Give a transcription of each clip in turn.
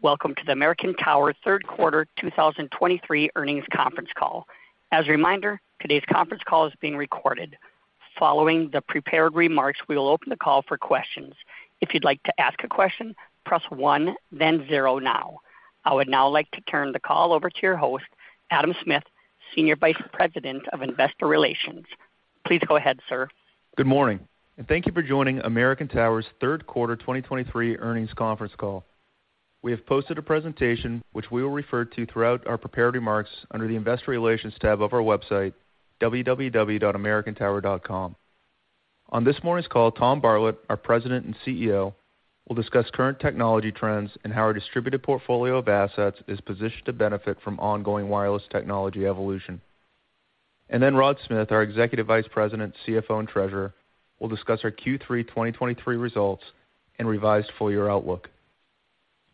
Welcome to the American Tower Third Quarter 2023 Earnings Conference Call. As a reminder, today's conference call is being recorded. Following the prepared remarks, we will open the call for questions. If you'd like to ask a question, press one, then zero now. I would now like to turn the call over to your host, Adam Smith, Senior Vice President of Investor Relations. Please go ahead, sir. Good morning, and thank you for joining American Tower's third quarter 2023 earnings conference call. We have posted a presentation, which we will refer to throughout our prepared remarks under the Investor Relations tab of our website, www.americantower.com. On this morning's call, Tom Bartlett, our President and CEO, will discuss current technology trends and how our distributed portfolio of assets is positioned to benefit from ongoing wireless technology evolution. Then Rod Smith, our Executive Vice President, CFO, and Treasurer, will discuss our Q3 2023 results and revised full-year outlook.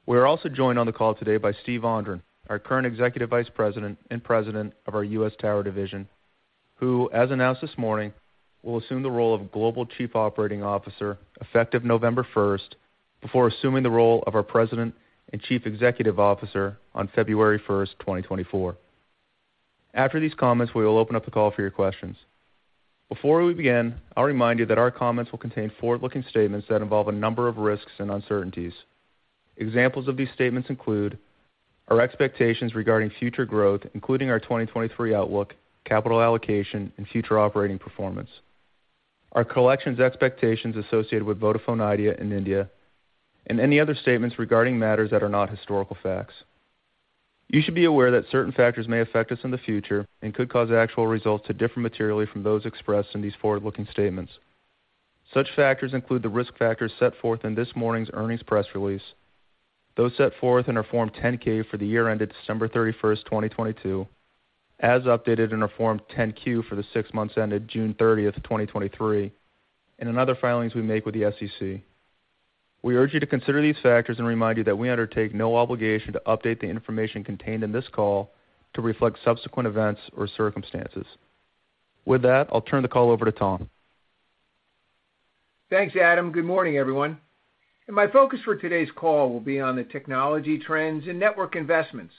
We are also joined on the call today by Steve Vondran, our current Executive Vice President and President of our U.S. Tower Division, who, as announced this morning, will assume the role of Global Chief Operating Officer effective November first, before assuming the role of our President and Chief Executive Officer on February first, 2024. After these comments, we will open up the call for your questions. Before we begin, I'll remind you that our comments will contain forward-looking statements that involve a number of risks and uncertainties. Examples of these statements include our expectations regarding future growth, including our 2023 outlook, capital allocation, and future operating performance, our collections expectations associated with Vodafone Idea in India, and any other statements regarding matters that are not historical facts. You should be aware that certain factors may affect us in the future and could cause actual results to differ materially from those expressed in these forward-looking statements. Such factors include the risk factors set forth in this morning's earnings press release, those set forth in our Form 10-K for the year ended December 31, 2022, as updated in our Form 10-Q for the six months ended June 30, 2023, and in other filings we make with the SEC. We urge you to consider these factors and remind you that we undertake no obligation to update the information contained in this call to reflect subsequent events or circumstances. With that, I'll turn the call over to Tom. Thanks, Adam. Good morning, everyone. My focus for today's call will be on the technology trends and network investments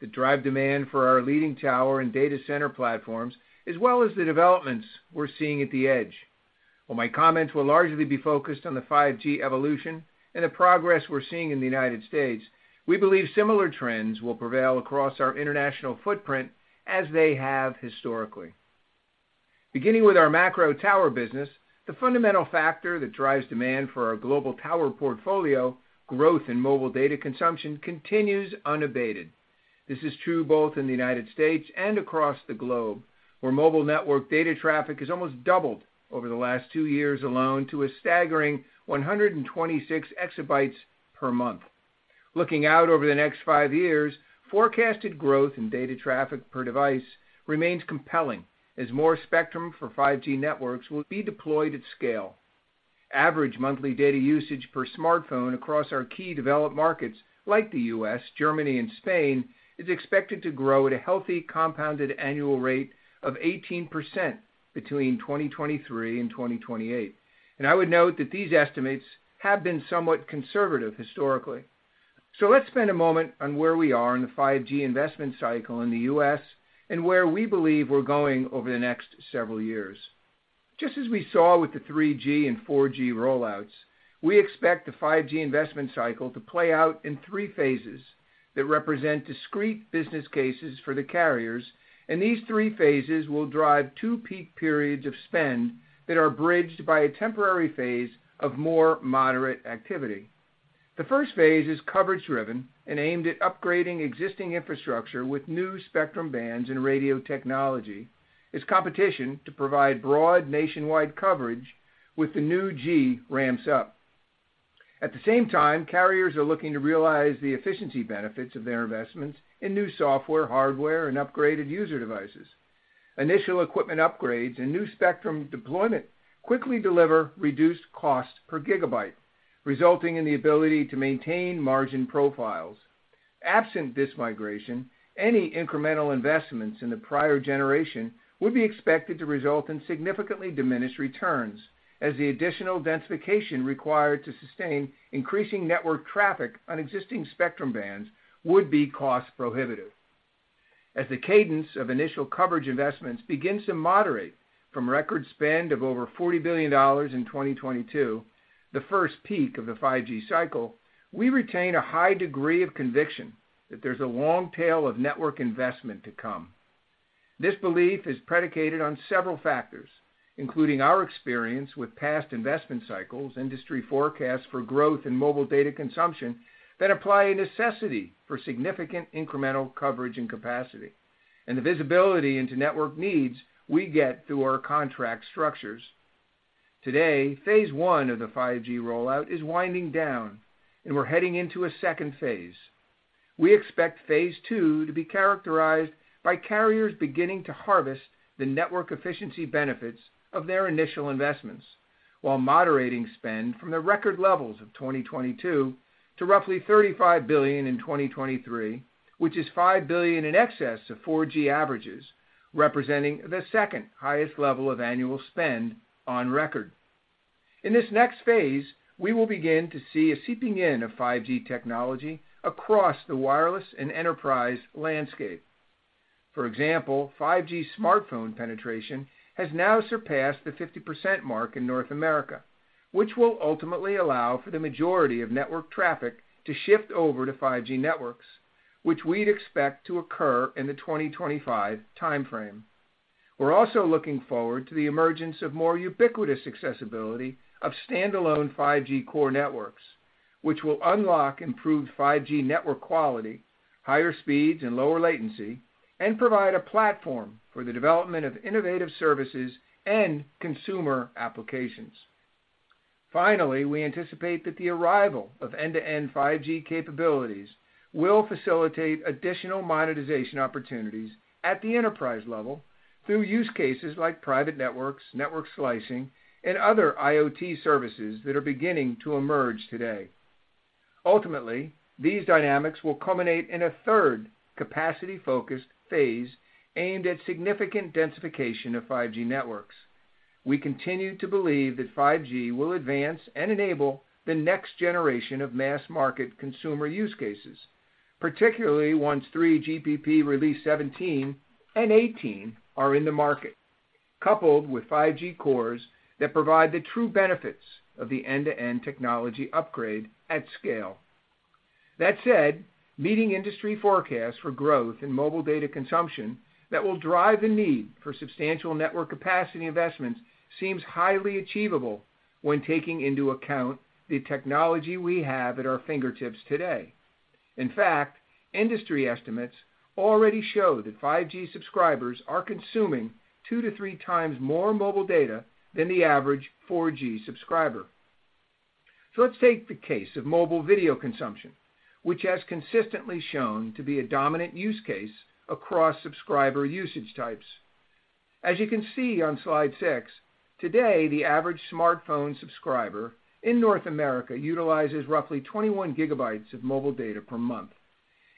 that drive demand for our leading tower and data center platforms, as well as the developments we're seeing at the edge. While my comments will largely be focused on the 5G evolution and the progress we're seeing in the United States, we believe similar trends will prevail across our international footprint as they have historically. Beginning with our macro tower business, the fundamental factor that drives demand for our global tower portfolio, growth in mobile data consumption, continues unabated. This is true both in the United States and across the globe, where mobile network data traffic has almost doubled over the last two years alone to a staggering 126 exabytes per month. Looking out over the next five years, forecasted growth in data traffic per device remains compelling as more spectrum for 5G networks will be deployed at scale. Average monthly data usage per smartphone across our key developed markets, like the U.S., Germany, and Spain, is expected to grow at a healthy compounded annual rate of 18% between 2023 and 2028. I would note that these estimates have been somewhat conservative historically. Let's spend a moment on where we are in the 5G investment cycle in the U.S. and where we believe we're going over the next several years. Just as we saw with the 3G and 4G rollouts, we expect the 5G investment cycle to play out in three phases that represent discrete business cases for the carriers, and these three phases will drive two peak periods of spend that are bridged by a temporary phase of more moderate activity. The first phase is coverage-driven and aimed at upgrading existing infrastructure with new spectrum bands and radio technology. It's competition to provide broad nationwide coverage with the new 5G ramps up. At the same time, carriers are looking to realize the efficiency benefits of their investments in new software, hardware, and upgraded user devices. Initial equipment upgrades and new spectrum deployment quickly deliver reduced cost per gigabyte, resulting in the ability to maintain margin profiles. Absent this migration, any incremental investments in the prior generation would be expected to result in significantly diminished returns, as the additional densification required to sustain increasing network traffic on existing spectrum bands would be cost prohibitive. As the cadence of initial coverage investments begins to moderate from record spend of over $40 billion in 2022, the first peak of the 5G cycle, we retain a high degree of conviction that there's a long tail of network investment to come. This belief is predicated on several factors, including our experience with past investment cycles, industry forecasts for growth and mobile data consumption that apply a necessity for significant incremental coverage and capacity, and the visibility into network needs we get through our contract structures. Today, phase one of the 5G rollout is winding down, and we're heading into a second phase. We expect phase two to be characterized by carriers beginning to harvest the network efficiency benefits of their initial investments while moderating spend from the record levels of 2022 to roughly $35 billion in 2023, which is $5 billion in excess of 4G averages, representing the second-highest level of annual spend on record. In this next phase, we will begin to see a seeping in of 5G technology across the wireless and enterprise landscape. For example, 5G smartphone penetration has now surpassed the 50% mark in North America, which will ultimately allow for the majority of network traffic to shift over to 5G networks, which we'd expect to occur in the 2025 timeframe. We're also looking forward to the emergence of more ubiquitous accessibility of standalone 5G core networks, which will unlock improved 5G network quality, higher speeds and lower latency, and provide a platform for the development of innovative services and consumer applications. Finally, we anticipate that the arrival of end-to-end 5G capabilities will facilitate additional monetization opportunities at the enterprise level through use cases like private networks, network slicing, and other IoT services that are beginning to emerge today. Ultimately, these dynamics will culminate in a third capacity-focused phase aimed at significant densification of 5G networks. We continue to believe that 5G will advance and enable the next generation of mass-market consumer use cases, particularly once 3GPP Release 17 and 18 are in the market, coupled with 5G cores that provide the true benefits of the end-to-end technology upgrade at scale. That said, meeting industry forecasts for growth in mobile data consumption that will drive the need for substantial network capacity investments seems highly achievable when taking into account the technology we have at our fingertips today. In fact, industry estimates already show that 5G subscribers are consuming 2-3 times more mobile data than the average 4G subscriber. So let's take the case of mobile video consumption, which has consistently shown to be a dominant use case across subscriber usage types. As you can see on Slide 6, today, the average smartphone subscriber in North America utilizes roughly 21 GB of mobile data per month,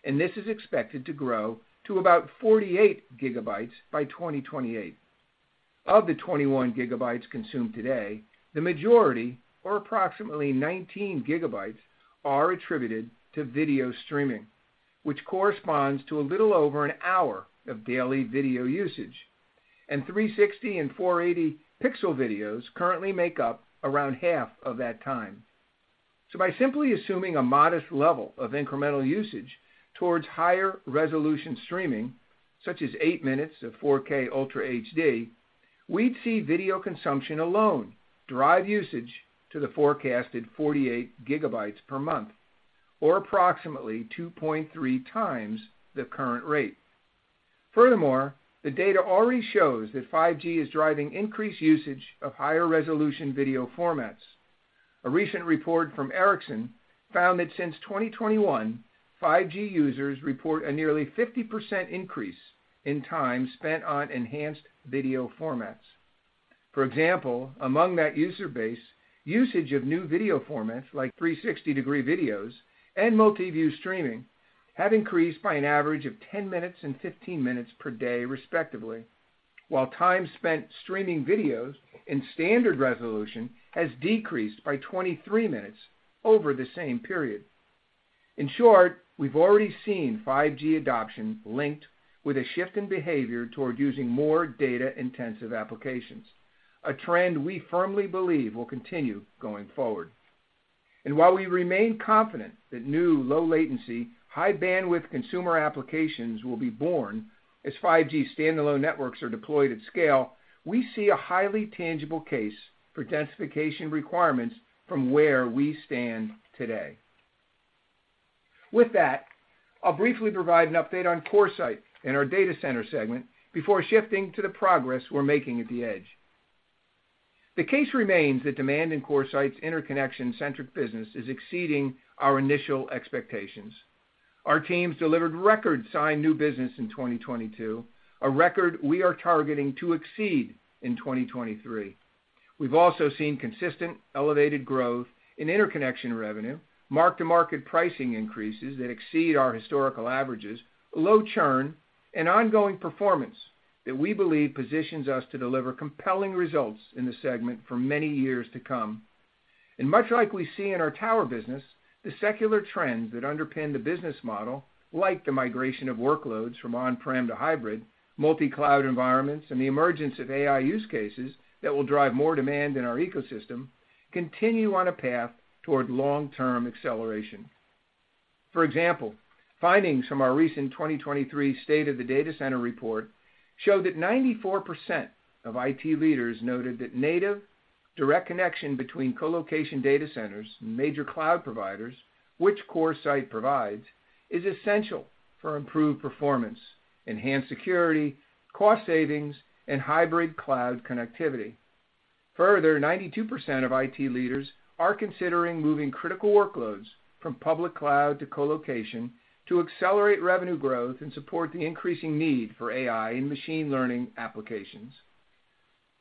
and this is expected to grow to about 48 GB by 2028. Of the 21 GB consumed today, the majority, or approximately 19 GB, are attributed to video streaming, which corresponds to a little over an hour of daily video usage, and 360- and 480-pixel videos currently make up around half of that time. So by simply assuming a modest level of incremental usage towards higher resolution streaming, such as 8 minutes of 4K Ultra HD, we'd see video consumption alone drive usage to the forecasted 48 GB per month, or approximately 2.3 times the current rate. Furthermore, the data already shows that 5G is driving increased usage of higher resolution video formats. A recent report from Ericsson found that since 2021, 5G users report a nearly 50% increase in time spent on enhanced video formats. For example, among that user base, usage of new video formats like 360-degree videos and multi-view streaming have increased by an average of 10 minutes and 15 minutes per day, respectively, while time spent streaming videos in standard resolution has decreased by 23 minutes over the same period. In short, we've already seen 5G adoption linked with a shift in behavior toward using more data-intensive applications, a trend we firmly believe will continue going forward. And while we remain confident that new low latency, high bandwidth consumer applications will be born as 5G standalone networks are deployed at scale, we see a highly tangible case for densification requirements from where we stand today. With that, I'll briefly provide an update on CoreSite in our data center segment before shifting to the progress we're making at the edge. The case remains that demand in CoreSite's interconnection-centric business is exceeding our initial expectations. Our teams delivered record signed new business in 2022, a record we are targeting to exceed in 2023. We've also seen consistent, elevated growth in interconnection revenue, mark-to-market pricing increases that exceed our historical averages, low churn, and ongoing performance that we believe positions us to deliver compelling results in the segment for many years to come. And much like we see in our tower business, the secular trends that underpin the business model, like the migration of workloads from on-prem to hybrid, multi-cloud environments, and the emergence of AI use cases that will drive more demand in our ecosystem, continue on a path toward long-term acceleration. For example, findings from our recent 2023 State of the Data Center report show that 94% of IT leaders noted that native direct connection between colocation data centers and major cloud providers, which CoreSite provides, is essential for improved performance, enhanced security, cost savings, and hybrid cloud connectivity. Further, 92% of IT leaders are considering moving critical workloads from public cloud to colocation to accelerate revenue growth and support the increasing need for AI and machine learning applications.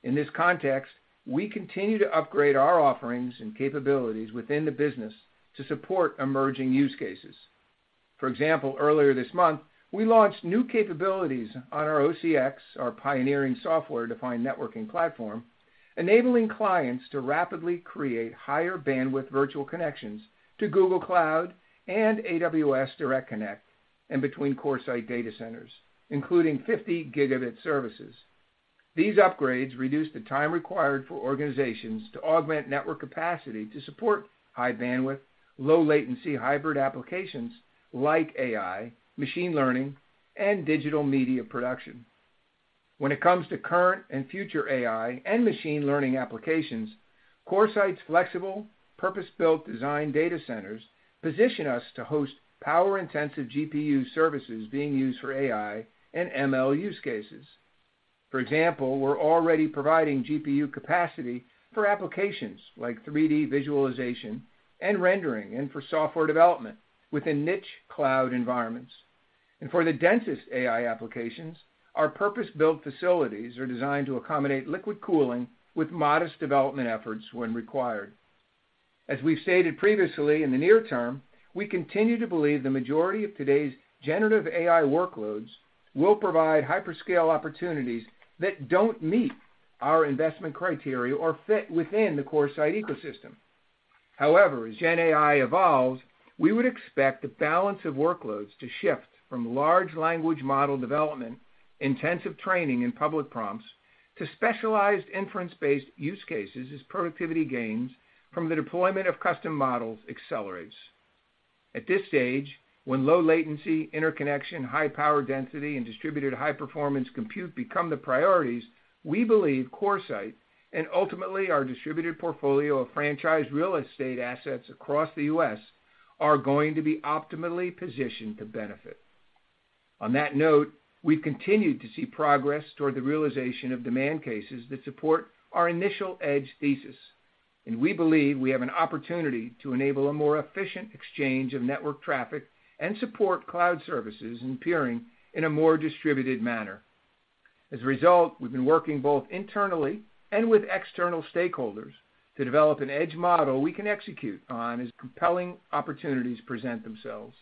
In this context, we continue to upgrade our offerings and capabilities within the business to support emerging use cases. For example, earlier this month, we launched new capabilities on our OCX, our pioneering software-defined networking platform, enabling clients to rapidly create higher bandwidth virtual connections to Google Cloud and AWS Direct Connect, and between CoreSite data centers, including 50 gigabit services. These upgrades reduce the time required for organizations to augment network capacity to support high bandwidth, low latency hybrid applications like AI, machine learning, and digital media production. When it comes to current and future AI and machine learning applications, CoreSite's flexible, purpose-built design data centers position us to host power-intensive GPU services being used for AI and ML use cases. For example, we're already providing GPU capacity for applications like 3D visualization and rendering, and for software development within niche cloud environments. For the densest AI applications, our purpose-built facilities are designed to accommodate liquid cooling with modest development efforts when required. As we've stated previously, in the near term, we continue to believe the majority of today's generative AI workloads will provide hyperscale opportunities that don't meet our investment criteria or fit within the CoreSite ecosystem. However, as Gen AI evolves, we would expect the balance of workloads to shift from large language model development, intensive training and public prompts, to specialized inference-based use cases as productivity gains from the deployment of custom models accelerates. At this stage, when low latency, interconnection, high power density, and distributed high performance compute become the priorities, we believe CoreSite, and ultimately our distributed portfolio of franchised real estate assets across the U.S., are going to be optimally positioned to benefit. On that note, we've continued to see progress toward the realization of demand cases that support our initial edge thesis, and we believe we have an opportunity to enable a more efficient exchange of network traffic and support cloud services and peering in a more distributed manner. As a result, we've been working both internally and with external stakeholders to develop an edge model we can execute on as compelling opportunities present themselves.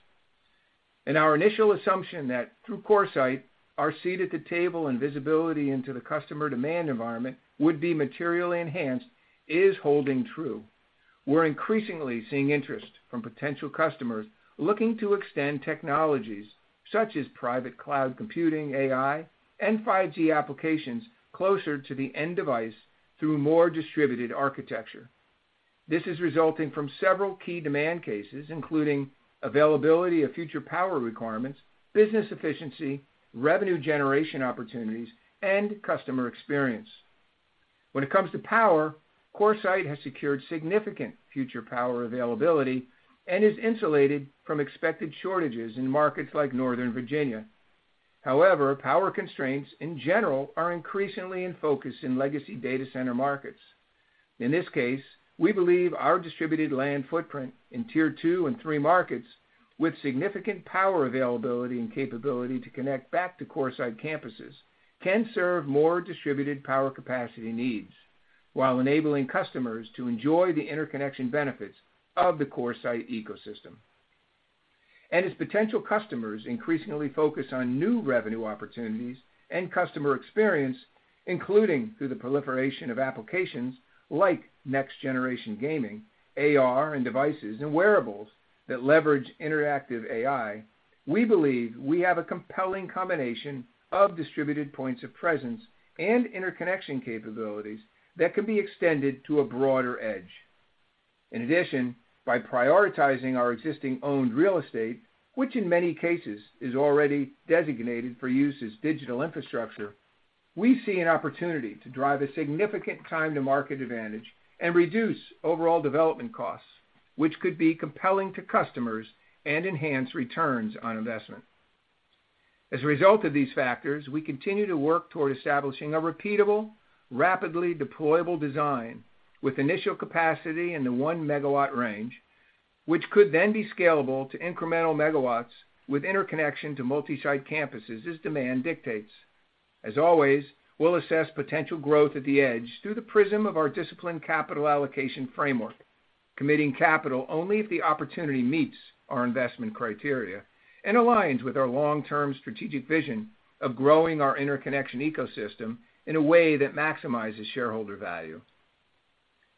Our initial assumption that through CoreSite, our seat at the table and visibility into the customer demand environment would be materially enhanced, is holding true. We're increasingly seeing interest from potential customers looking to extend technologies such as private cloud computing, AI, and 5G applications closer to the end device through a more distributed architecture. This is resulting from several key demand cases, including availability of future power requirements, business efficiency, revenue generation opportunities, and customer experience. When it comes to power, CoreSite has secured significant future power availability and is insulated from expected shortages in markets like Northern Virginia. However, power constraints, in general, are increasingly in focus in legacy data center markets. In this case, we believe our distributed land footprint in Tier Two and Three markets with significant power availability and capability to connect back to CoreSite campuses, can serve more distributed power capacity needs, while enabling customers to enjoy the interconnection benefits of the CoreSite ecosystem. As potential customers increasingly focus on new revenue opportunities and customer experience, including through the proliferation of applications like next generation gaming, AR and devices, and wearables that leverage interactive AI, we believe we have a compelling combination of distributed points of presence and interconnection capabilities that can be extended to a broader edge. In addition, by prioritizing our existing owned real estate, which in many cases is already designated for use as digital infrastructure, we see an opportunity to drive a significant time-to-market advantage and reduce overall development costs, which could be compelling to customers and enhance returns on investment. As a result of these factors, we continue to work toward establishing a repeatable, rapidly deployable design with initial capacity in the 1 megawatt range, which could then be scalable to incremental megawatts with interconnection to multi-site campuses as demand dictates. As always, we'll assess potential growth at the edge through the prism of our disciplined capital allocation framework, committing capital only if the opportunity meets our investment criteria and aligns with our long-term strategic vision of growing our interconnection ecosystem in a way that maximizes shareholder value.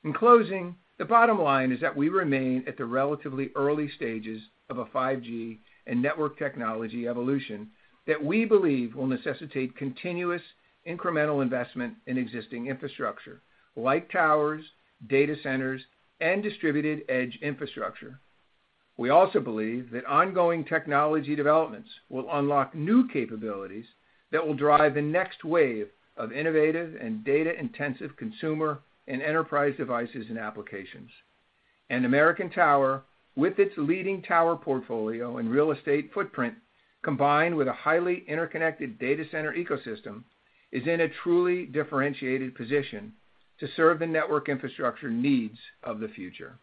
In closing, the bottom line is that we remain at the relatively early stages of a 5G and network technology evolution that we believe will necessitate continuous incremental investment in existing infrastructure like towers, data centers, and distributed edge infrastructure. We also believe that ongoing technology developments will unlock new capabilities that will drive the next wave of innovative and data-intensive consumer and enterprise devices and applications. And American Tower, with its leading tower portfolio and real estate footprint, combined with a highly interconnected data center ecosystem, is in a truly differentiated position to serve the network infrastructure needs of the future.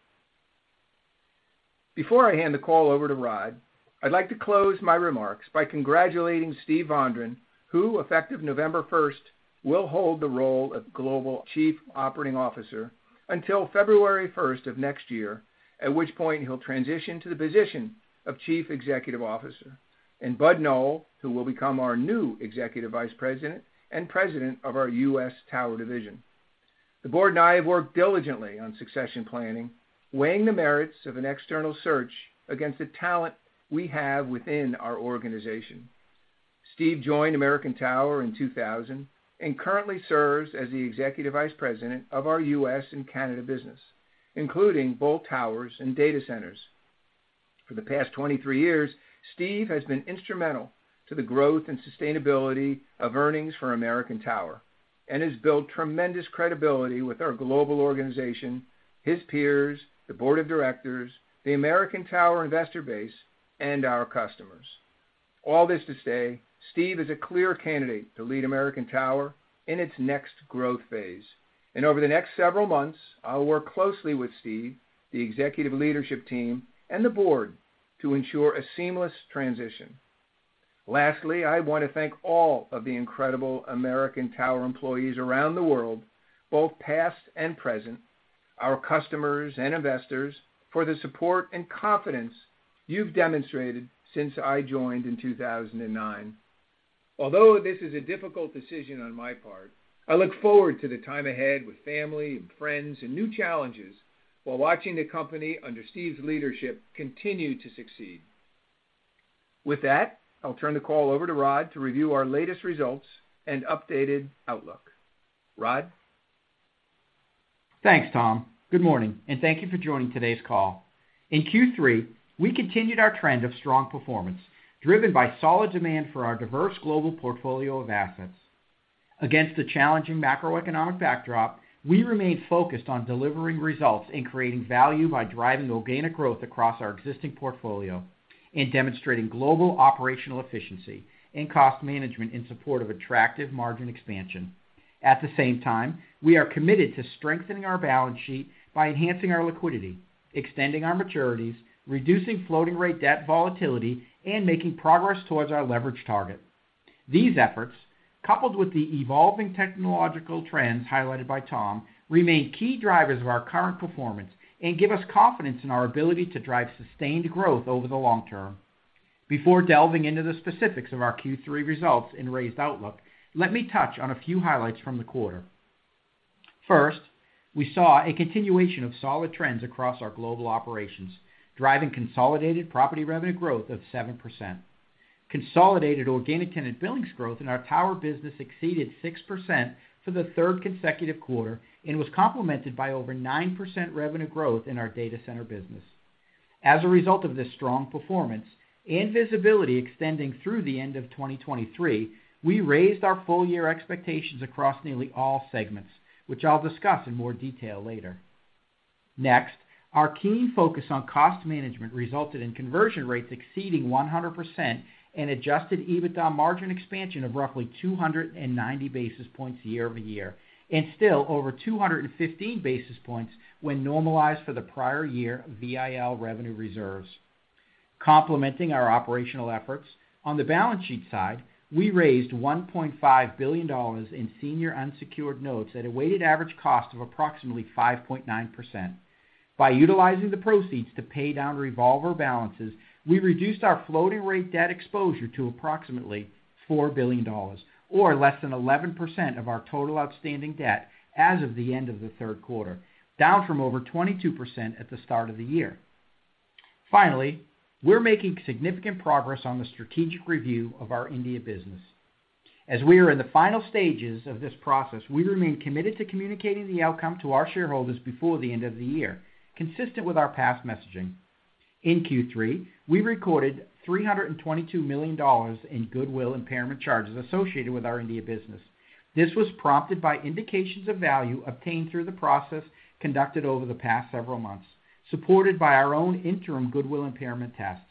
Before I hand the call over to Rod, I'd like to close my remarks by congratulating Steve Vondran, who, effective November first, will hold the role of Global Chief Operating Officer until February first of next year, at which point he'll transition to the position of Chief Executive Officer, and Bud Noel, who will become our new Executive Vice President and President of our U.S. Tower Division. The board and I have worked diligently on succession planning, weighing the merits of an external search against the talent we have within our organization. Steve joined American Tower in 2000 and currently serves as the Executive Vice President of our U.S. and Canada business, including both towers and data centers. For the past 23 years, Steve has been instrumental to the growth and sustainability of earnings for American Tower and has built tremendous credibility with our global organization, his peers, the board of directors, the American Tower investor base, and our customers. All this to say, Steve is a clear candidate to lead American Tower in its next growth phase, and over the next several months, I'll work closely with Steve, the executive leadership team, and the board to ensure a seamless transition. Lastly, I want to thank all of the incredible American Tower employees around the world, both past and present, our customers and investors, for the support and confidence you've demonstrated since I joined in 2009. Although this is a difficult decision on my part, I look forward to the time ahead with family and friends and new challenges, while watching the company, under Steve's leadership, continue to succeed. With that, I'll turn the call over to Rod to review our latest results and updated outlook. Rod? Thanks, Tom. Good morning, and thank you for joining today's call. In Q3, we continued our trend of strong performance, driven by solid demand for our diverse global portfolio of assets. Against the challenging macroeconomic backdrop, we remained focused on delivering results and creating value by driving organic growth across our existing portfolio and demonstrating global operational efficiency and cost management in support of attractive margin expansion. At the same time, we are committed to strengthening our balance sheet by enhancing our liquidity, extending our maturities, reducing floating rate debt volatility, and making progress towards our leverage target. These efforts, coupled with the evolving technological trends highlighted by Tom, remain key drivers of our current performance and give us confidence in our ability to drive sustained growth over the long term. Before delving into the specifics of our Q3 results and raised outlook, let me touch on a few highlights from the quarter. First, we saw a continuation of solid trends across our global operations, driving consolidated property revenue growth of 7%. Consolidated organic tenant billings growth in our tower business exceeded 6% for the third consecutive quarter and was complemented by over 9% revenue growth in our data center business. As a result of this strong performance and visibility extending through the end of 2023, we raised our full year expectations across nearly all segments, which I'll discuss in more detail later. Next, our key focus on cost management resulted in conversion rates exceeding 100% and adjusted EBITDA margin expansion of roughly 290 basis points year-over-year, and still over 215 basis points when normalized for the prior year VIL revenue reserves. Complementing our operational efforts, on the balance sheet side, we raised $1.5 billion in senior unsecured notes at a weighted average cost of approximately 5.9%. By utilizing the proceeds to pay down revolver balances, we reduced our floating rate debt exposure to approximately $4.0 billion, or less than 11% of our total outstanding debt as of the end of the third quarter, down from over 22% at the start of the year. Finally, we're making significant progress on the strategic review of our India business. As we are in the final stages of this process, we remain committed to communicating the outcome to our shareholders before the end of the year, consistent with our past messaging. In Q3, we recorded $322 million in goodwill impairment charges associated with our India business. This was prompted by indications of value obtained through the process conducted over the past several months, supported by our own interim goodwill impairment tests.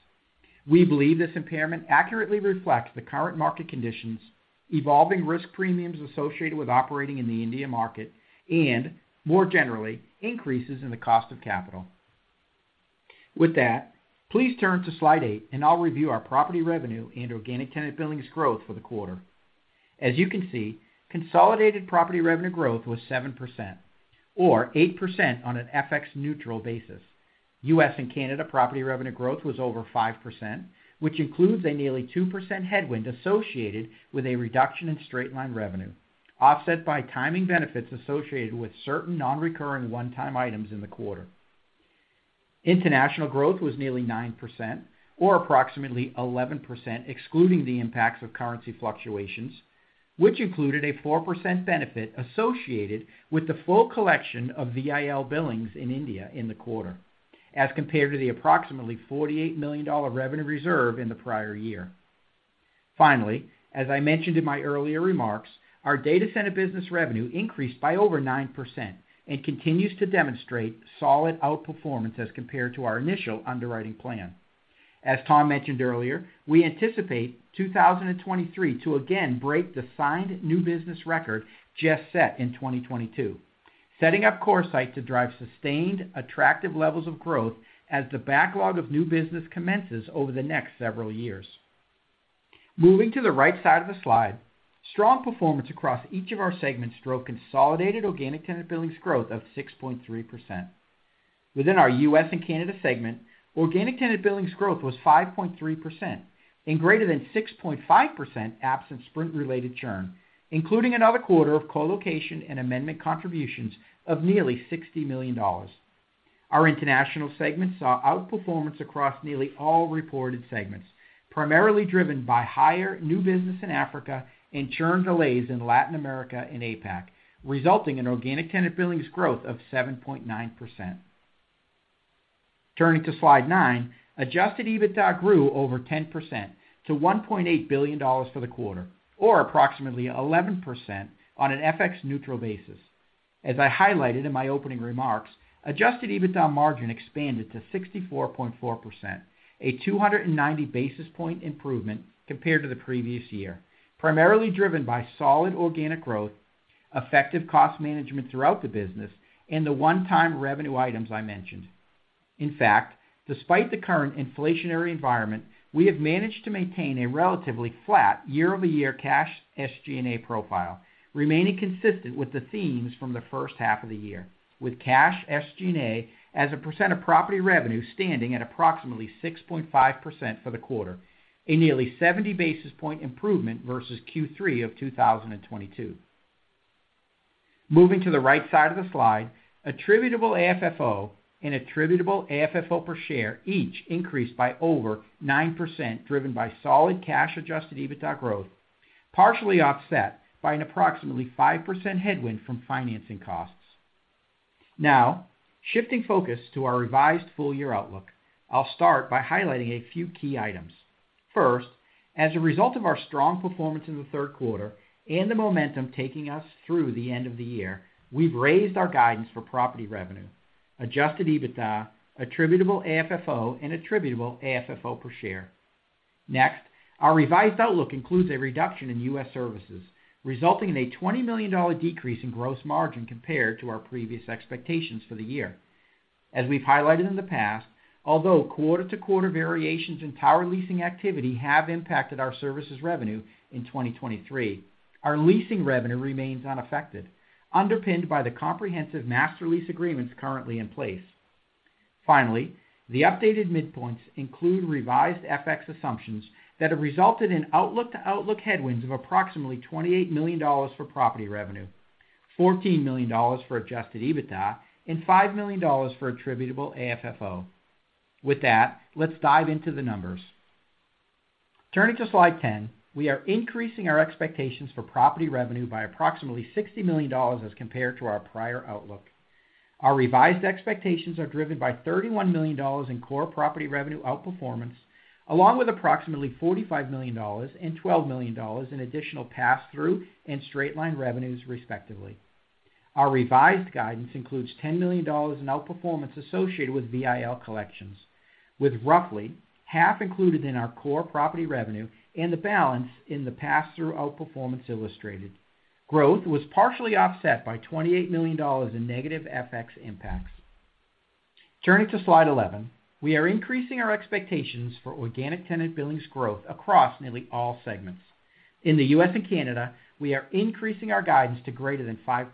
We believe this impairment accurately reflects the current market conditions, evolving risk premiums associated with operating in the India market, and more generally, increases in the cost of capital. With that, please turn to slide 8, and I'll review our property revenue and organic tenant billings growth for the quarter. As you can see, consolidated property revenue growth was 7% or 8% on an FX neutral basis. U.S. and Canada property revenue growth was over 5%, which includes a nearly 2% headwind associated with a reduction in straight-line revenue, offset by timing benefits associated with certain non-recurring one-time items in the quarter. International growth was nearly 9% or approximately 11%, excluding the impacts of currency fluctuations, which included a 4% benefit associated with the full collection of VIL billings in India in the quarter, as compared to the approximately $48 million revenue reserve in the prior year. Finally, as I mentioned in my earlier remarks, our data center business revenue increased by over 9% and continues to demonstrate solid outperformance as compared to our initial underwriting plan. As Tom mentioned earlier, we anticipate 2023 to again break the signed new business record just set in 2022. Setting up CoreSite to drive sustained, attractive levels of growth as the backlog of new business commences over the next several years. Moving to the right side of the slide, strong performance across each of our segments drove consolidated organic tenant billings growth of 6.3%. Within our U.S. and Canada segment, organic tenant billings growth was 5.3% and greater than 6.5% absent Sprint-related churn, including another quarter of colocation and amendment contributions of nearly $60 million. Our international segment saw outperformance across nearly all reported segments, primarily driven by higher new business in Africa and churn delays in Latin America and APAC, resulting in organic tenant billings growth of 7.9%. Turning to slide 9, adjusted EBITDA grew over 10% to $1.8 billion for the quarter, or approximately 11% on an FX neutral basis. As I highlighted in my opening remarks, adjusted EBITDA margin expanded to 64.4%, a 290 basis point improvement compared to the previous year, primarily driven by solid organic growth, effective cost management throughout the business, and the one-time revenue items I mentioned. In fact, despite the current inflationary environment, we have managed to maintain a relatively flat year-over-year cash SG&A profile, remaining consistent with the themes from the first half of the year, with cash SG&A as a percent of property revenue standing at approximately 6.5% for the quarter, a nearly 70 basis point improvement versus Q3 of 2022. Moving to the right side of the slide, attributable AFFO and attributable AFFO per share each increased by over 9%, driven by solid cash adjusted EBITDA growth, partially offset by an approximately 5% headwind from financing costs. Now, shifting focus to our revised full year outlook, I'll start by highlighting a few key items. First, as a result of our strong performance in the third quarter and the momentum taking us through the end of the year, we've raised our guidance for property revenue, adjusted EBITDA, attributable AFFO and attributable AFFO per share. Next, our revised outlook includes a reduction in U.S. services, resulting in a $20 million decrease in gross margin compared to our previous expectations for the year. As we've highlighted in the past, although quarter-to-quarter variations in tower leasing activity have impacted our services revenue in 2023, our leasing revenue remains unaffected, underpinned by the comprehensive master lease agreements currently in place. Finally, the updated midpoints include revised FX assumptions that have resulted in outlook-to-outlook headwinds of approximately $28 million for property revenue, $14 million for adjusted EBITDA, and $5 million for attributable AFFO. With that, let's dive into the numbers. Turning to slide 10, we are increasing our expectations for property revenue by approximately $60 million as compared to our prior outlook. Our revised expectations are driven by $31 million in core property revenue outperformance, along with approximately $45 million and $12 million in additional pass-through and straight line revenues, respectively. Our revised guidance includes $10 million in outperformance associated with VIL collections, with roughly half included in our core property revenue and the balance in the pass-through outperformance illustrated. Growth was partially offset by $28 million in negative FX impacts. Turning to slide 11, we are increasing our expectations for organic tenant billings growth across nearly all segments. In the U.S. and Canada, we are increasing our guidance to greater than 5%,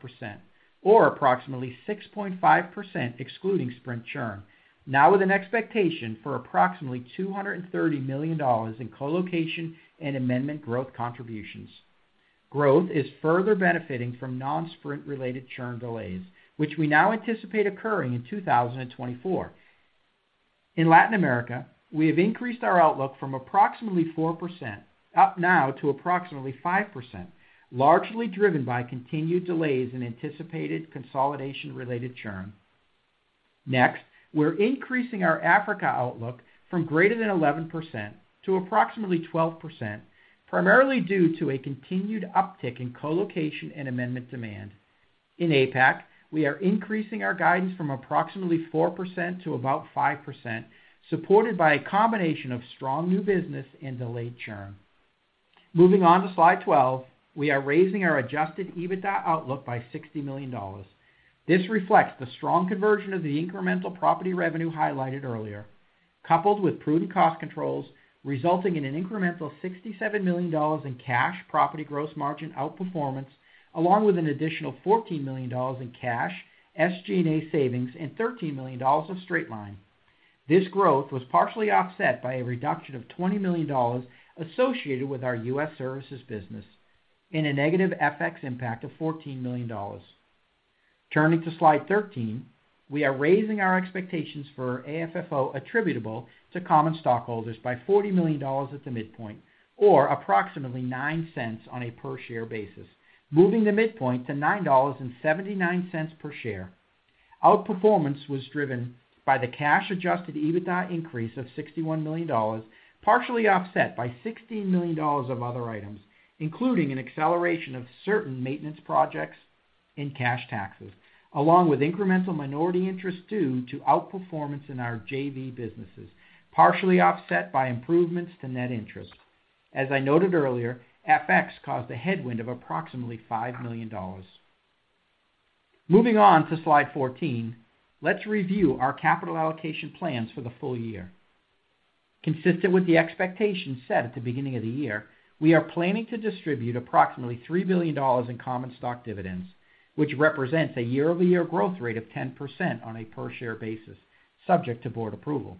or approximately 6.5%, excluding Sprint churn, now with an expectation for approximately $230 million in colocation and amendment growth contributions. Growth is further benefiting from non-Sprint related churn delays, which we now anticipate occurring in 2024. In Latin America, we have increased our outlook from approximately 4%, up now to approximately 5%, largely driven by continued delays in anticipated consolidation-related churn. Next, we're increasing our Africa outlook from greater than 11% to approximately 12%, primarily due to a continued uptick in colocation and amendment demand. In APAC, we are increasing our guidance from approximately 4% to about 5%, supported by a combination of strong new business and delayed churn. Moving on to slide 12, we are raising our adjusted EBITDA outlook by $60 million. This reflects the strong conversion of the incremental property revenue highlighted earlier, coupled with prudent cost controls, resulting in an incremental $67 million in cash property gross margin outperformance, along with an additional $14 million in cash SG&A savings, and $13 million of straight line. This growth was partially offset by a reduction of $20 million associated with our U.S. services business and a negative FX impact of $14 million. Turning to slide 13, we are raising our expectations for AFFO attributable to common stockholders by $40 million at the midpoint, or approximately $0.09 on a per share basis, moving the midpoint to $9.79 per share. Outperformance was driven by the cash-adjusted EBITDA increase of $61 million, partially offset by $16 million of other items, including an acceleration of certain maintenance projects and cash taxes, along with incremental minority interest due to outperformance in our JV businesses, partially offset by improvements to net interest. As I noted earlier, FX caused a headwind of approximately $5 million. Moving on to slide 14, let's review our capital allocation plans for the full year. Consistent with the expectations set at the beginning of the year, we are planning to distribute approximately $3 billion in common stock dividends, which represents a year-over-year growth rate of 10% on a per share basis, subject to board approval.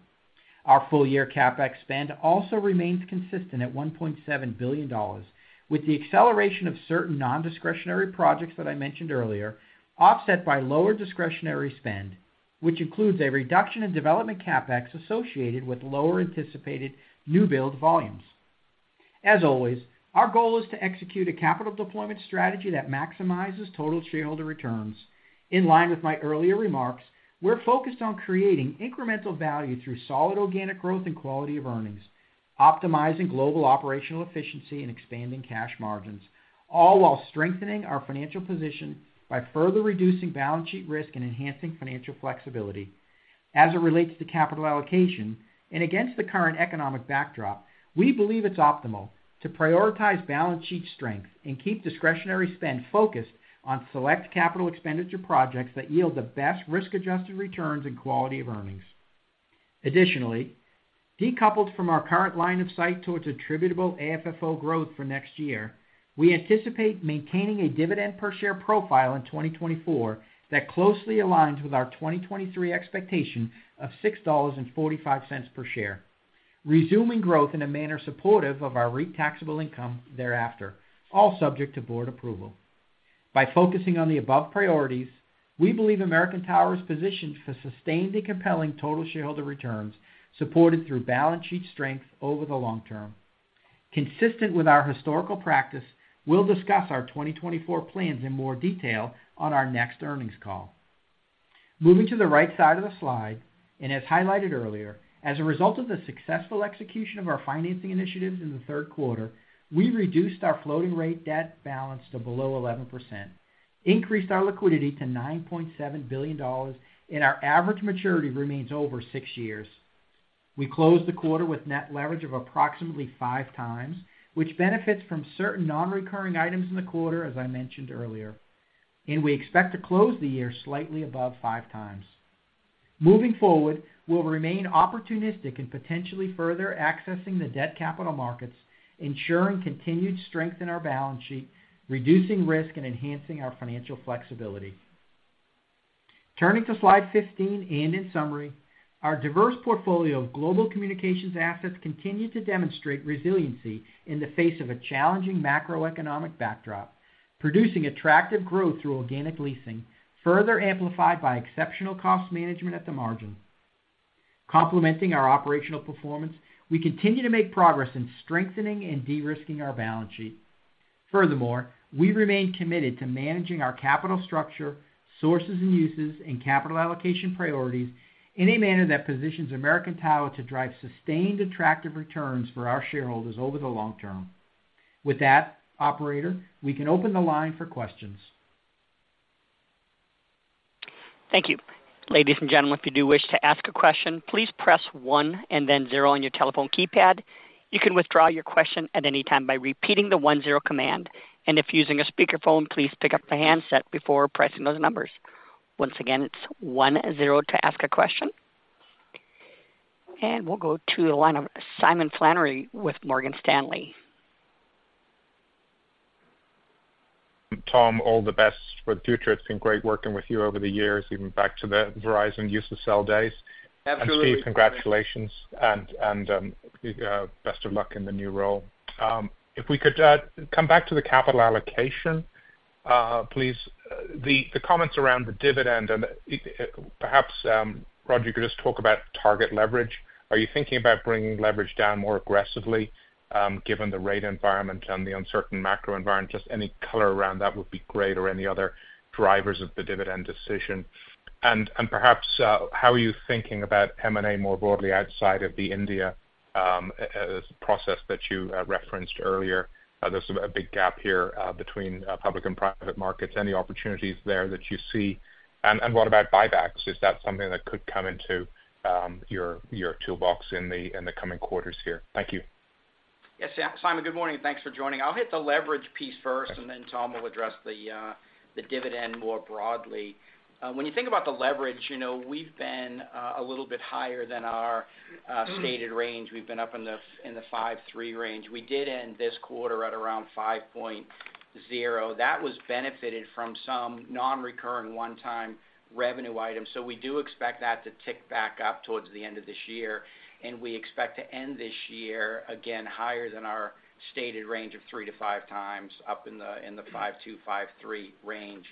Our full year CapEx spend also remains consistent at $1.7 billion, with the acceleration of certain non-discretionary projects that I mentioned earlier, offset by lower discretionary spend, which includes a reduction in development CapEx associated with lower anticipated new build volumes. As always, our goal is to execute a capital deployment strategy that maximizes total shareholder returns. In line with my earlier remarks, we're focused on creating incremental value through solid organic growth and quality of earnings, optimizing global operational efficiency, and expanding cash margins, all while strengthening our financial position by further reducing balance sheet risk and enhancing financial flexibility. As it relates to capital allocation and against the current economic backdrop, we believe it's optimal to prioritize balance sheet strength and keep discretionary spend focused on select capital expenditure projects that yield the best risk-adjusted returns and quality of earnings. Additionally, decoupled from our current line of sight towards attributable AFFO growth for next year, we anticipate maintaining a dividend per share profile in 2024 that closely aligns with our 2023 expectation of $6.45 per share, resuming growth in a manner supportive of our REIT taxable income thereafter, all subject to board approval. By focusing on the above priorities, we believe American Tower is positioned for sustained and compelling total shareholder returns, supported through balance sheet strength over the long term. Consistent with our historical practice, we'll discuss our 2024 plans in more detail on our next earnings call. Moving to the right side of the slide, and as highlighted earlier, as a result of the successful execution of our financing initiatives in the third quarter, we reduced our floating rate debt balance to below 11%, increased our liquidity to $9.7 billion, and our average maturity remains over six years. We closed the quarter with net leverage of approximately 5 times, which benefits from certain non-recurring items in the quarter, as I mentioned earlier, and we expect to close the year slightly above 5 times. Moving forward, we'll remain opportunistic in potentially further accessing the debt capital markets, ensuring continued strength in our balance sheet, reducing risk, and enhancing our financial flexibility. Turning to slide 15, and in summary, our diverse portfolio of global communications assets continued to demonstrate resiliency in the face of a challenging macroeconomic backdrop, producing attractive growth through organic leasing, further amplified by exceptional cost management at the margin. Complementing our operational performance, we continue to make progress in strengthening and de-risking our balance sheet. Furthermore, we remain committed to managing our capital structure, sources and uses, and capital allocation priorities in a manner that positions American Tower to drive sustained, attractive returns for our shareholders over the long term. With that, operator, we can open the line for questions. Thank you. Ladies and gentlemen, if you do wish to ask a question, please press one and then zero on your telephone keypad. You can withdraw your question at any time by repeating the one-zero command, and if using a speakerphone, please pick up the handset before pressing those numbers. Once again, it's one-zero to ask a question. And we'll go to the line of Simon Flannery with Morgan Stanley. Tom, all the best for the future. It's been great working with you over the years, even back to the Verizon use of cell days. Absolutely. And Steve, congratulations and best of luck in the new role. If we could come back to the capital allocation, please. The comments around the dividend and perhaps Rod, you could just talk about target leverage. Are you thinking about bringing leverage down more aggressively, given the rate environment and the uncertain macro environment? Just any color around that would be great, or any other drivers of the dividend decision. And perhaps how are you thinking about M&A more broadly outside of the India process that you referenced earlier? There's a big gap here between public and private markets. Any opportunities there that you see? And what about buybacks? Is that something that could come into your toolbox in the coming quarters here? Thank you. Yes, Simon, good morning, and thanks for joining. I'll hit the leverage piece first, and then Tom will address the dividend more broadly. When you think about the leverage, you know, we've been a little bit higher than our Mm-hmm... stated range. We've been up in the 5.3 range. We did end this quarter at around 5.0. That was benefited from some non-recurring one-time revenue items. So we do expect that to tick back up towards the end of this year, and we expect to end this year, again, higher than our stated range of 3 to 5 times, up in the 5.2-5.3 range.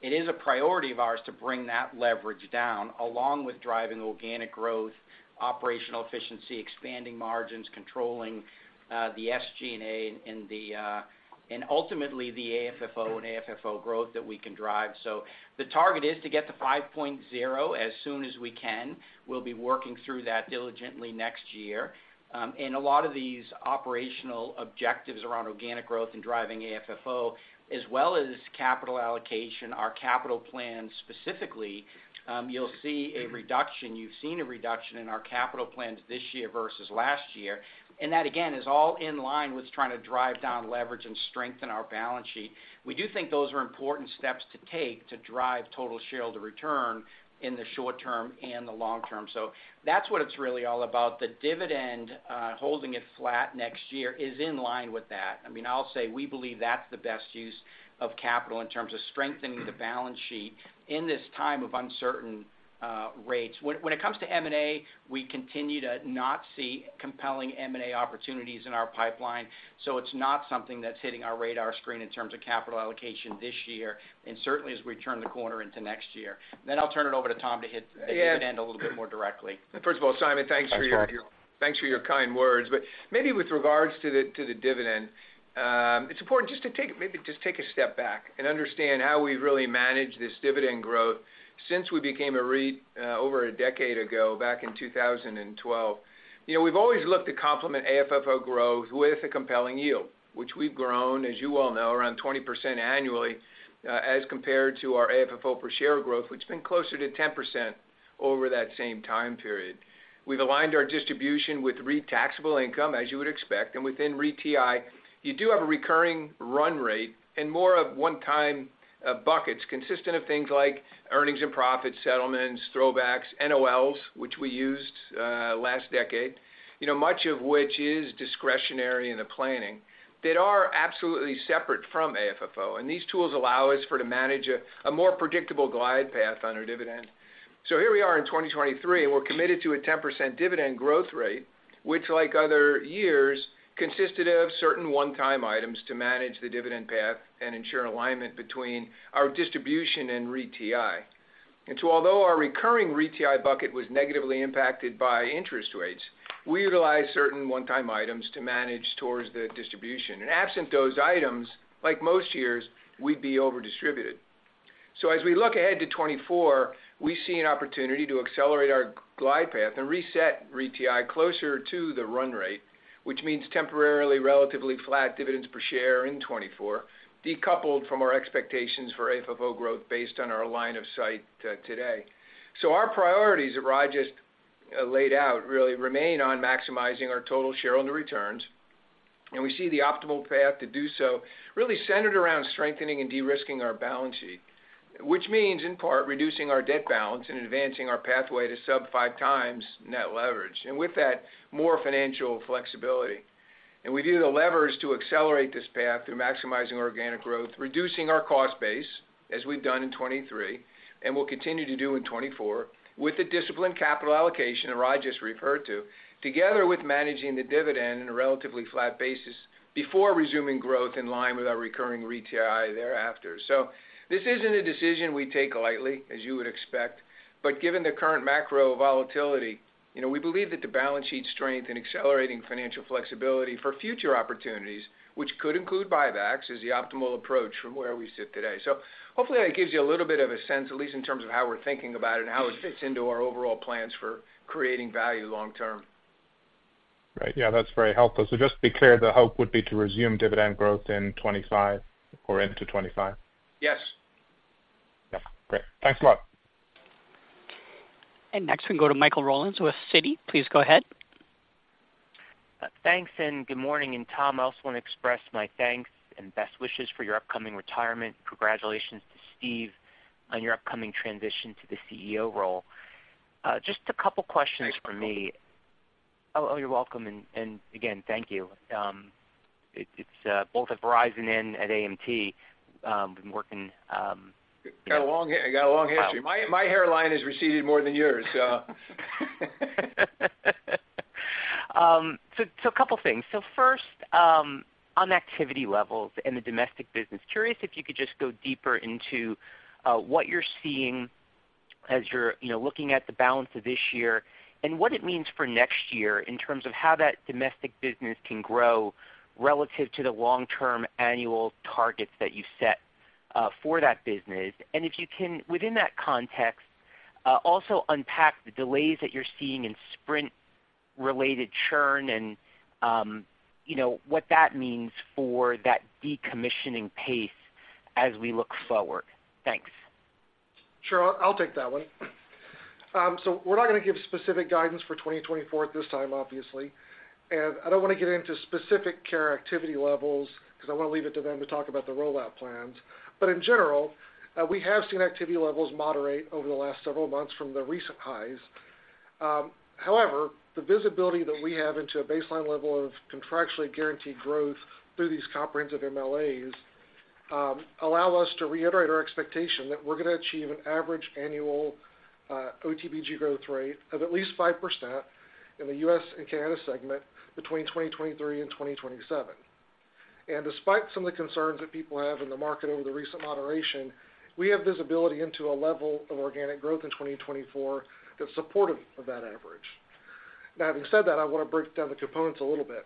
It is a priority of ours to bring that leverage down, along with driving organic growth... operational efficiency, expanding margins, controlling the SG&A and the, and ultimately, the AFFO and AFFO growth that we can drive. So the target is to get to 5.0 as soon as we can. We'll be working through that diligently next year. And a lot of these operational objectives around organic growth and driving AFFO, as well as capital allocation, our capital plan specifically, you'll see a reduction. You've seen a reduction in our capital plans this year versus last year, and that, again, is all in line with trying to drive down leverage and strengthen our balance sheet. We do think those are important steps to take to drive total shareholder return in the short term and the long term. So that's what it's really all about. The dividend, holding it flat next year is in line with that. I mean, I'll say we believe that's the best use of capital in terms of strengthening the balance sheet in this time of uncertain rates. When it comes to M&A, we continue to not see compelling M&A opportunities in our pipeline, so it's not something that's hitting our radar screen in terms of capital allocation this year, and certainly as we turn the corner into next year. I'll turn it over to Tom to hit the dividend a little bit more directly. First of all, Simon, thanks for your- Thanks, Tom. Thanks for your kind words. But maybe with regards to the dividend, it's important just to take a step back and understand how we've really managed this dividend growth since we became a REIT over a decade ago, back in 2012. You know, we've always looked to complement AFFO growth with a compelling yield, which we've grown, as you all know, around 20% annually, as compared to our AFFO per share growth, which has been closer to 10% over that same time period. We've aligned our distribution with REIT taxable income, as you would expect, and within REITI, you do have a recurring run rate and more of one-time buckets consisting of things like earnings and profits, settlements, throwbacks, NOLs, which we used last decade, you know, much of which is discretionary in the planning, that are absolutely separate from AFFO. And these tools allow us for to manage a more predictable glide path on our dividend. So here we are in 2023, and we're committed to a 10% dividend growth rate, which, like other years, consisted of certain one-time items to manage the dividend path and ensure alignment between our distribution and REITI. And so although our recurring REITI bucket was negatively impacted by interest rates, we utilized certain one-time items to manage towards the distribution. And absent those items, like most years, we'd be over-distributed. As we look ahead to 2024, we see an opportunity to accelerate our glide path and reset REIT closer to the run rate, which means temporarily relatively flat dividends per share in 2024, decoupled from our expectations for AFFO growth based on our line of sight today. Our priorities that Raj just laid out really remain on maximizing our total shareholder returns, and we see the optimal path to do so really centered around strengthening and de-risking our balance sheet, which means, in part, reducing our debt balance and advancing our pathway to sub-5x net leverage, and with that, more financial flexibility. We view the levers to accelerate this path through maximizing organic growth, reducing our cost base, as we've done in 2023, and we'll continue to do in 2024, with the disciplined capital allocation that Raj just referred to, together with managing the dividend in a relatively flat basis before resuming growth in line with our recurring REIT thereafter. So this isn't a decision we take lightly, as you would expect. But given the current macro volatility, you know, we believe that the balance sheet strength and accelerating financial flexibility for future opportunities, which could include buybacks, is the optimal approach from where we sit today. So hopefully, that gives you a little bit of a sense, at least in terms of how we're thinking about it and how it fits into our overall plans for creating value long term. Right. Yeah, that's very helpful. So just to be clear, the hope would be to resume dividend growth in 2025 or into 2025? Yes. Yeah. Great. Thanks a lot. Next, we go to Michael Rollins with Citi. Please go ahead. Thanks, and good morning. And Tom, I also want to express my thanks and best wishes for your upcoming retirement. Congratulations to Steve on your upcoming transition to the CEO role. Just a couple of questions from me. Thanks, Michael. Oh, oh, you're welcome. And again, thank you. It's both at Verizon and at AMT, been working. You got a long history. My, my hairline has receded more than yours, so So, a couple of things. So first, on activity levels in the domestic business, curious if you could just go deeper into what you're seeing as you're, you know, looking at the balance of this year and what it means for next year in terms of how that domestic business can grow relative to the long-term annual targets that you've set for that business. And if you can, within that context, also unpack the delays that you're seeing in Sprint-related churn and, you know, what that means for that decommissioning pace as we look forward. Thanks. Sure, I'll take that one. So we're not going to give specific guidance for 2024 at this time, obviously, and I don't want to get into specific care activity levels because I want to leave it to them to talk about the rollout plans. But in general, we have seen activity levels moderate over the last several months from the recent highs. However, the visibility that we have into a baseline level of contractually guaranteed growth through these comprehensive MLAs, allow us to reiterate our expectation that we're going to achieve an average annual, OTBG growth rate of at least 5% in the U.S. and Canada segment between 2023 and 2027. And despite some of the concerns that people have in the market over the recent moderation, we have visibility into a level of organic growth in 2024 that's supportive of that average. Now, having said that, I want to break down the components a little bit.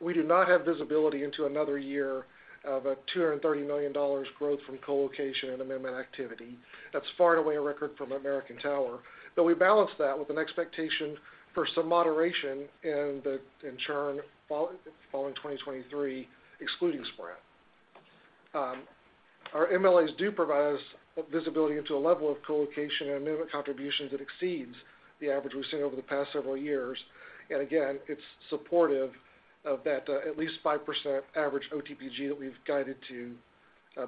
We do not have visibility into another year of $230 million growth from colocation and amendment activity. That's far and away a record from American Tower, but we balance that with an expectation for some moderation in the churn following 2023, excluding Sprint. Our MLAs do provide us visibility into a level of colocation and amendment contributions that exceeds the average we've seen over the past several years. And again, it's supportive of that at least 5% average OTB growth that we've guided to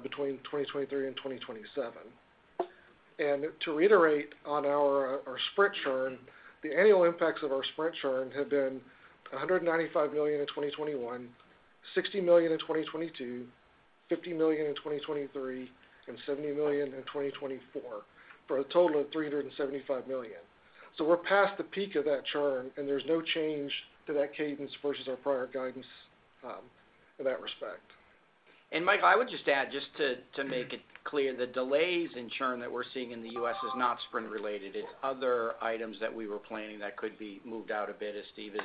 between 2023 and 2027. To reiterate on our Sprint churn, the annual impacts of our Sprint churn have been $195 million in 2021, $60 million in 2022, $50 million in 2023, and $70 million in 2024, for a total of $375 million. So we're past the peak of that churn, and there's no change to that cadence versus our prior guidance, in that respect. And Michael, I would just add, just to, to make it clear, the delays in churn that we're seeing in the U.S. is not Sprint related. It's other items that we were planning that could be moved out a bit, as Steve is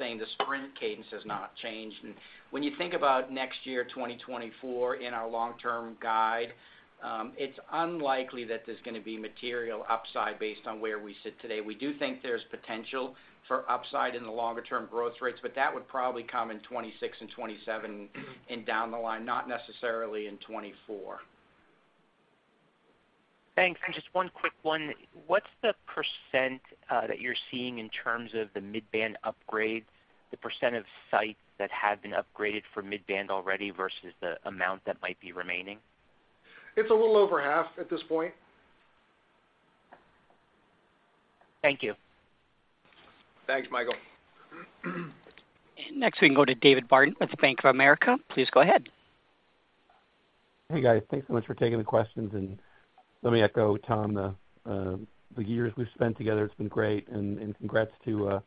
saying, the Sprint cadence has not changed. And when you think about next year, 2024, in our long-term guide, it's unlikely that there's gonna be material upside based on where we sit today. We do think there's potential for upside in the longer-term growth rates, but that would probably come in 2026 and 2027 and down the line, not necessarily in 2024. Thanks. Just one quick one. What's the % that you're seeing in terms of the mid-band upgrades, the % of sites that have been upgraded for mid-band already versus the amount that might be remaining? It's a little over half at this point. Thank you. Thanks, Michael. Next, we can go to David Barden with Bank of America. Please go ahead. Hey, guys. Thanks so much for taking the questions, and let me echo Tom, the years we've spent together, it's been great. And, congrats to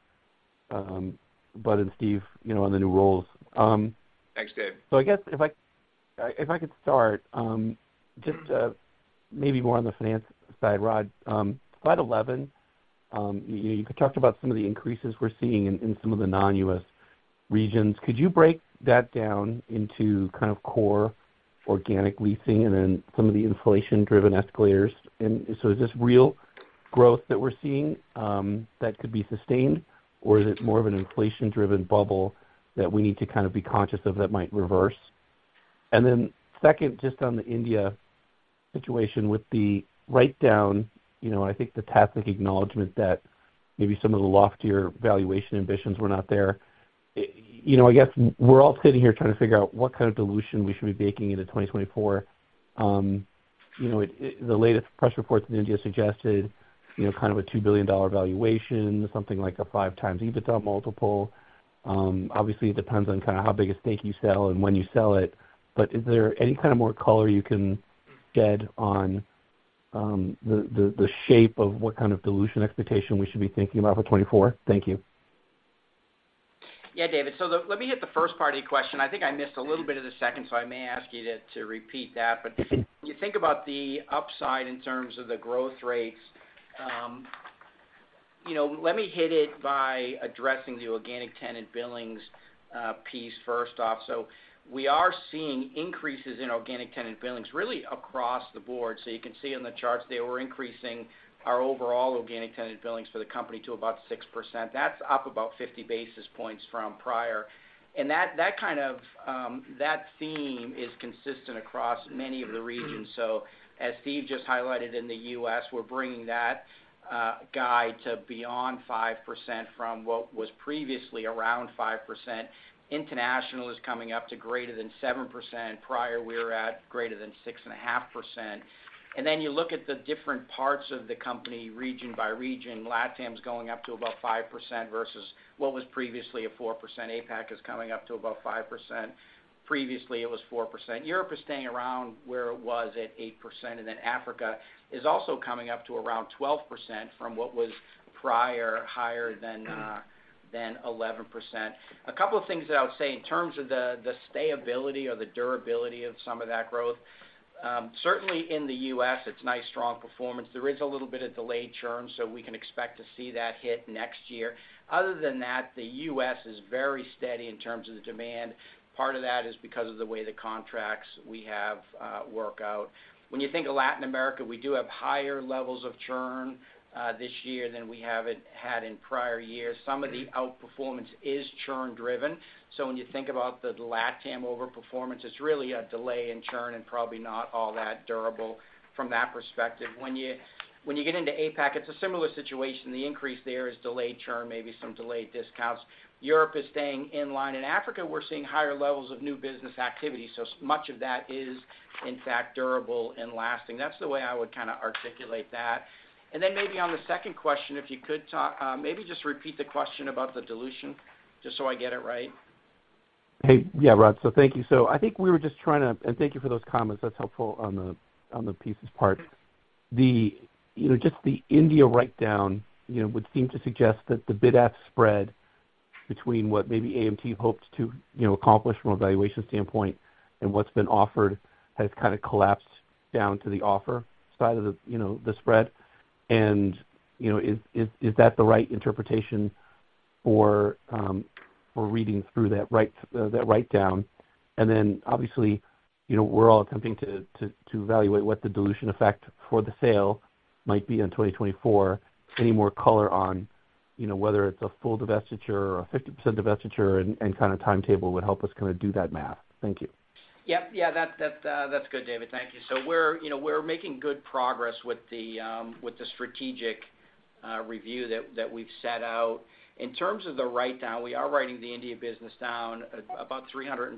Bud and Steve, you know, on the new roles. Thanks, Dave. So I guess if I could start, just maybe more on the finance side, Rod. Slide 11, you talked about some of the increases we're seeing in some of the non-U.S. regions. Could you break that down into kind of core organic leasing and then some of the inflation-driven escalators? And so is this real growth that we're seeing that could be sustained, or is it more of an inflation-driven bubble that we need to kind of be conscious of that might reverse? And then second, just on the India situation with the write-down, you know, and I think the tacit acknowledgment that maybe some of the loftier valuation ambitions were not there. You know, I guess we're all sitting here trying to figure out what kind of dilution we should be baking into 2024. You know, the latest press reports in India suggested, you know, kind of a $2 billion valuation, something like a 5x EBITDA multiple. Obviously, it depends on kind of how big a stake you sell and when you sell it, but is there any kind of more color you can shed on the shape of what kind of dilution expectation we should be thinking about for 2024? Thank you. Yeah, David. So let me hit the first part of your question. I think I missed a little bit of the second, so I may ask you to repeat that. But if you think about the upside in terms of the growth rates, you know, let me hit it by addressing the organic tenant billings piece first off. So we are seeing increases in organic tenant billings really across the board. So you can see in the charts there, we're increasing our overall organic tenant billings for the company to about 6%. That's up about 50 basis points from prior. And that kind of, that theme is consistent across many of the regions. So as Steve just highlighted, in the U.S., we're bringing that guide to beyond 5% from what was previously around 5%. International is coming up to greater than 7%. Prior, we were at greater than 6.5%. Then you look at the different parts of the company, region by region, LatAm is going up to about 5% versus what was previously a 4%. APAC is coming up to about 5%. Previously, it was 4%. Europe is staying around where it was at 8%, and then Africa is also coming up to around 12% from what was prior, higher than, than 11%. A couple of things that I would say in terms of the, the stability or the durability of some of that growth, certainly in the U.S., it's nice, strong performance. There is a little bit of delayed churn, so we can expect to see that hit next year. Other than that, the U.S. is very steady in terms of the demand. Part of that is because of the way the contracts we have work out. When you think of Latin America, we do have higher levels of churn this year than we haven't had in prior years. Some of the outperformance is churn-driven. So when you think about the LatAm overperformance, it's really a delay in churn and probably not all that durable from that perspective. When you, when you get into APAC, it's a similar situation. The increase there is delayed churn, maybe some delayed discounts. Europe is staying in line. In Africa, we're seeing higher levels of new business activity, so much of that is, in fact, durable and lasting. That's the way I would kind of articulate that. And then maybe on the second question, if you could talk, maybe just repeat the question about the dilution, just so I get it right. Hey, yeah, Rod. So thank you. So I think we were just trying to – and thank you for those comments. That's helpful on the pieces part. The, you know, just the India write-down, you know, would seem to suggest that the bid-ask spread between what maybe AMT hoped to, you know, accomplish from a valuation standpoint and what's been offered, has kind of collapsed down to the offer side of the, you know, the spread. And, you know, is that the right interpretation for reading through that write-down? And then, obviously, you know, we're all attempting to evaluate what the dilution effect for the sale might be in 2024. Any more color on, you know, whether it's a full divestiture or a 50% divestiture and kind of timetable would help us kind of do that math. Thank you. Yep. Yeah, that's good, David. Thank you. So we're, you know, we're making good progress with the strategic review that we've set out. In terms of the write-down, we are writing the India business down about $322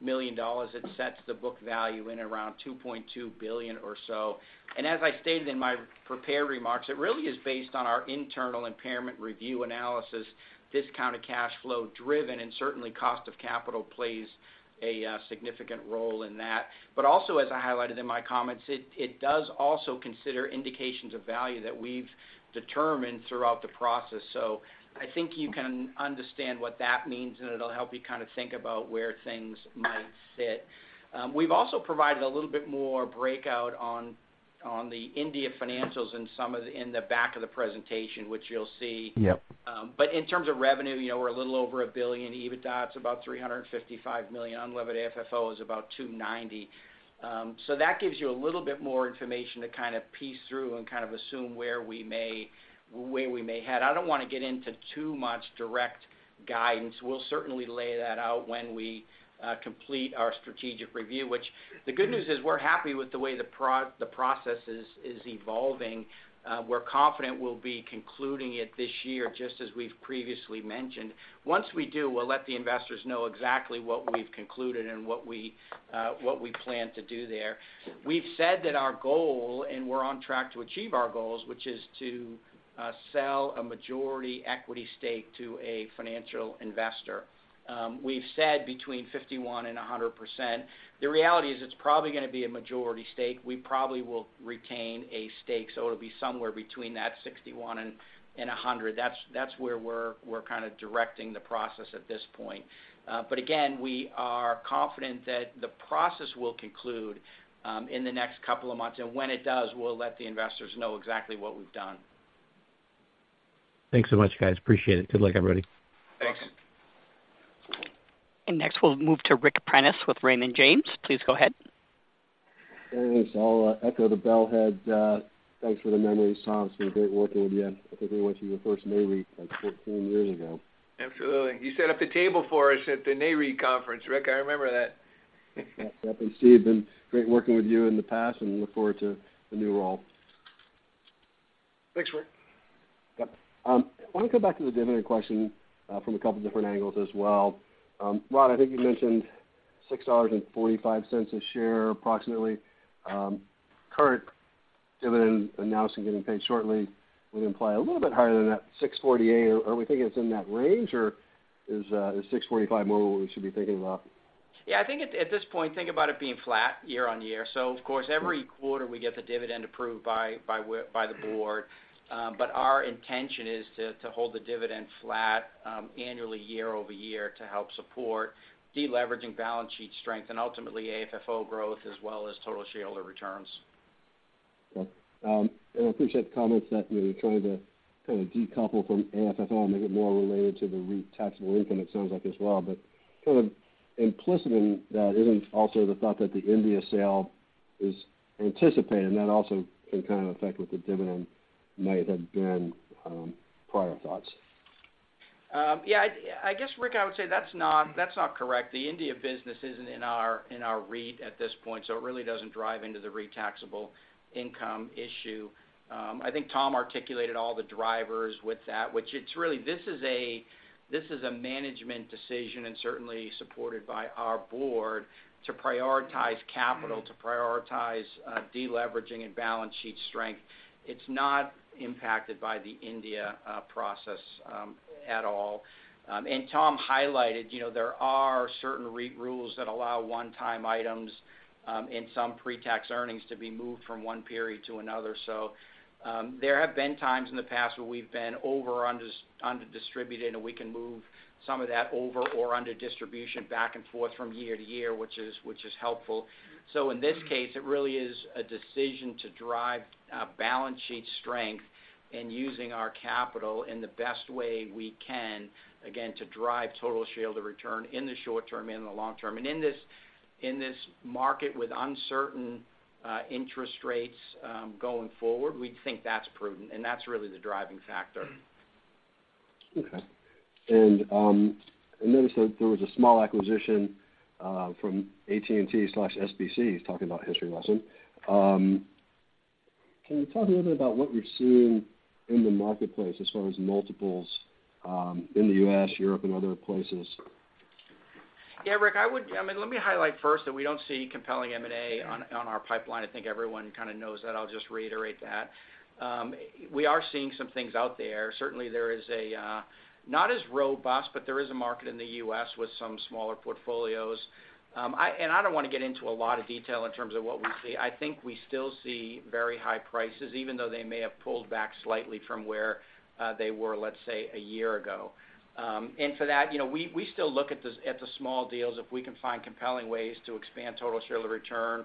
million. It sets the book value in around $2.2 billion or so. And as I stated in my prepared remarks, it really is based on our internal impairment review analysis, discounted cash flow driven, and certainly cost of capital plays a significant role in that. But also, as I highlighted in my comments, it does also consider indications of value that we've determined throughout the process. So I think you can understand what that means, and it'll help you kind of think about where things might fit. We've also provided a little bit more breakout on the India financials in the back of the presentation, which you'll see. Yep. But in terms of revenue, you know, we're a little over $1 billion. EBITDA, it's about $355 million. Unlevered FFO is about $290. So that gives you a little bit more information to kind of piece through and kind of assume where we may, where we may head. I don't want to get into too much direct guidance. We'll certainly lay that out when we complete our strategic review, which the good news is we're happy with the way the process is evolving. We're confident we'll be concluding it this year, just as we've previously mentioned. Once we do, we'll let the investors know exactly what we've concluded and what we plan to do there. We've said that our goal, and we're on track to achieve our goals, which is to sell a majority equity stake to a financial investor. We've said between 51% and 100%. The reality is, it's probably gonna be a majority stake. We probably will retain a stake, so it'll be somewhere between that 61 and 100. That's where we're kind of directing the process at this point. But again, we are confident that the process will conclude in the next couple of months. And when it does, we'll let the investors know exactly what we've done. Thanks so much, guys. Appreciate it. Good luck, everybody. Thanks. Next, we'll move to Rick Prentiss with Raymond James. Please go ahead. Thanks. I'll echo the well said. Thanks for the memory, Tom. It's been great working with you. I think I went to your first Nareit, like, 14 years ago. Absolutely. You set up the table for us at the Nareit Conference, Rick. I remember that. Yep. And, Steve, been great working with you in the past, and look forward to the new role. Thanks, Rick. Yep. I want to go back to the dividend question, from a couple different angles as well. Rod, I think you mentioned $6.45 a share, approximately. Current dividend announced and getting paid shortly would imply a little bit higher than that, $6.48. Are we thinking it's in that range, or is $6.45 more what we should be thinking about? Yeah, I think at this point, think about it being flat year on year. So of course, every quarter we get the dividend approved by the board. But our intention is to hold the dividend flat annually, year over year, to help support deleveraging balance sheet strength and ultimately AFFO growth as well as total shareholder returns. Okay. And I appreciate the comments that you're trying to kind of decouple from AFFO and make it more related to the REIT taxable income, it sounds like, as well. But kind of implicit in that isn't also the thought that the India sale is anticipated, and that also can kind of affect what the dividend might have been, prior thoughts? Yeah, I guess, Rick, I would say that's not, that's not correct. The India business isn't in our REIT at this point, so it really doesn't drive into the REIT taxable income issue. I think Tom articulated all the drivers with that, which it's really. This is a management decision, and certainly supported by our board, to prioritize capital, to prioritize deleveraging and balance sheet strength. It's not impacted by the India process at all. And Tom highlighted, you know, there are certain REIT rules that allow one-time items and some pre-tax earnings to be moved from one period to another. So, there have been times in the past where we've been over- or under-distributed, and we can move some of that over or under distribution back and forth from year to year, which is, which is helpful. So in this case, it really is a decision to drive balance sheet strength and using our capital in the best way we can, again, to drive total shareholder return in the short term and in the long term. And in this, in this market with uncertain interest rates going forward, we think that's prudent, and that's really the driving factor. Okay. I noticed that there was a small acquisition from AT&T/SBC, talking about history lesson. Can you talk a little bit about what you're seeing in the marketplace as far as multiples in the U.S., Europe, and other places?... Yeah, Rick, I would, I mean, let me highlight first that we don't see compelling M&A on our pipeline. I think everyone kind of knows that. I'll just reiterate that. We are seeing some things out there. Certainly, there is a not as robust, but there is a market in the U.S. with some smaller portfolios. And I don't wanna get into a lot of detail in terms of what we see. I think we still see very high prices, even though they may have pulled back slightly from where they were, let's say, a year ago. And for that, you know, we still look at the small deals. If we can find compelling ways to expand total shareholder return,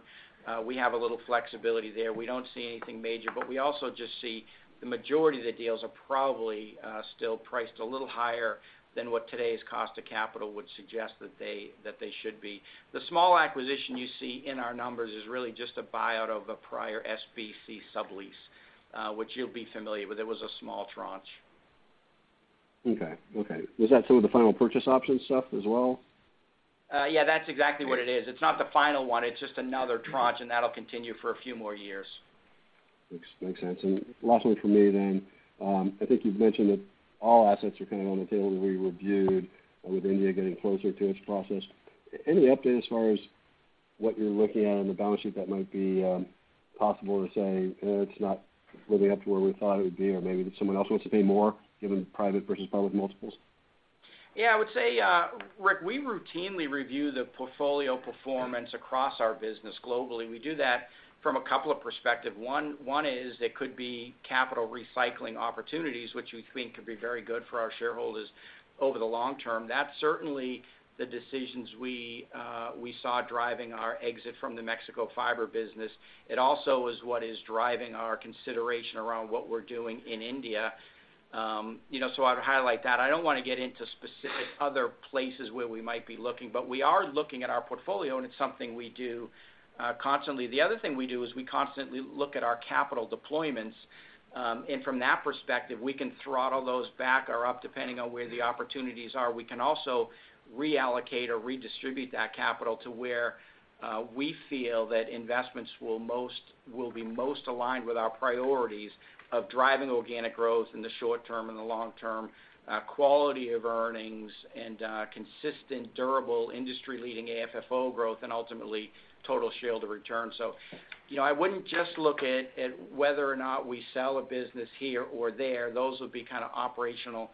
we have a little flexibility there. We don't see anything major, but we also just see the majority of the deals are probably still priced a little higher than what today's cost of capital would suggest that they, that they should be. The small acquisition you see in our numbers is really just a buyout of a prior SBC sublease, which you'll be familiar with. It was a small tranche. Okay. Okay. Was that some of the final purchase option stuff as well? Yeah, that's exactly what it is. It's not the final one, it's just another tranche, and that'll continue for a few more years. Makes sense. Lastly, for me then, I think you've mentioned that all assets are kind of on the table to be reviewed, with India getting closer to its process. Any update as far as what you're looking at on the balance sheet that might be possible to say, it's not living up to where we thought it would be, or maybe that someone else wants to pay more, given private versus public multiples? Yeah, I would say, Rick, we routinely review the portfolio performance across our business globally. We do that from a couple of perspectives. One is there could be capital recycling opportunities, which we think could be very good for our shareholders over the long term. That's certainly the decisions we saw driving our exit from the Mexico fiber business. It also is what is driving our consideration around what we're doing in India. You know, so I would highlight that. I don't wanna get into specific other places where we might be looking, but we are looking at our portfolio, and it's something we do constantly. The other thing we do is we constantly look at our capital deployments. And from that perspective, we can throttle those back or up, depending on where the opportunities are. We can also reallocate or redistribute that capital to where we feel that investments will be most aligned with our priorities of driving organic growth in the short term and the long term, quality of earnings, and consistent, durable, industry-leading AFFO growth, and ultimately, total shareholder return. So, you know, I wouldn't just look at whether or not we sell a business here or there. Those would be kind of operational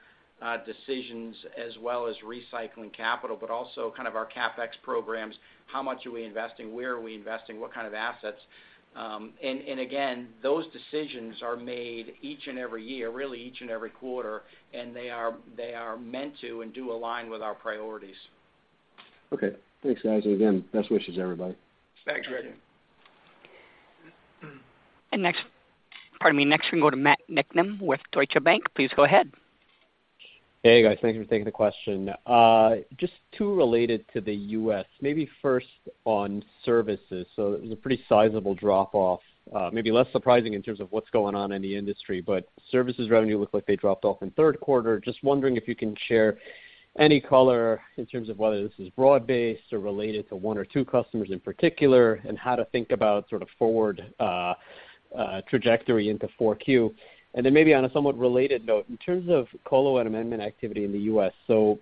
decisions as well as recycling capital, but also kind of our CapEx programs, how much are we investing, where are we investing, what kind of assets? And again, those decisions are made each and every year, really each and every quarter, and they are meant to and do align with our priorities. Okay. Thanks, guys, and again, best wishes, everybody. Thanks, Rick. Next, pardon me. Next, we go to Matt Nicknam with Deutsche Bank. Please go ahead. Hey, guys. Thank you for taking the question. Just two related to the U.S., maybe first on services. So it was a pretty sizable drop-off, maybe less surprising in terms of what's going on in the industry, but services revenue looked like they dropped off in third quarter. Just wondering if you can share any color in terms of whether this is broad-based or related to one or two customers in particular, and how to think about sort of forward trajectory into 4Q. And then maybe on a somewhat related note, in terms of colo and amendment activity in the U.S., so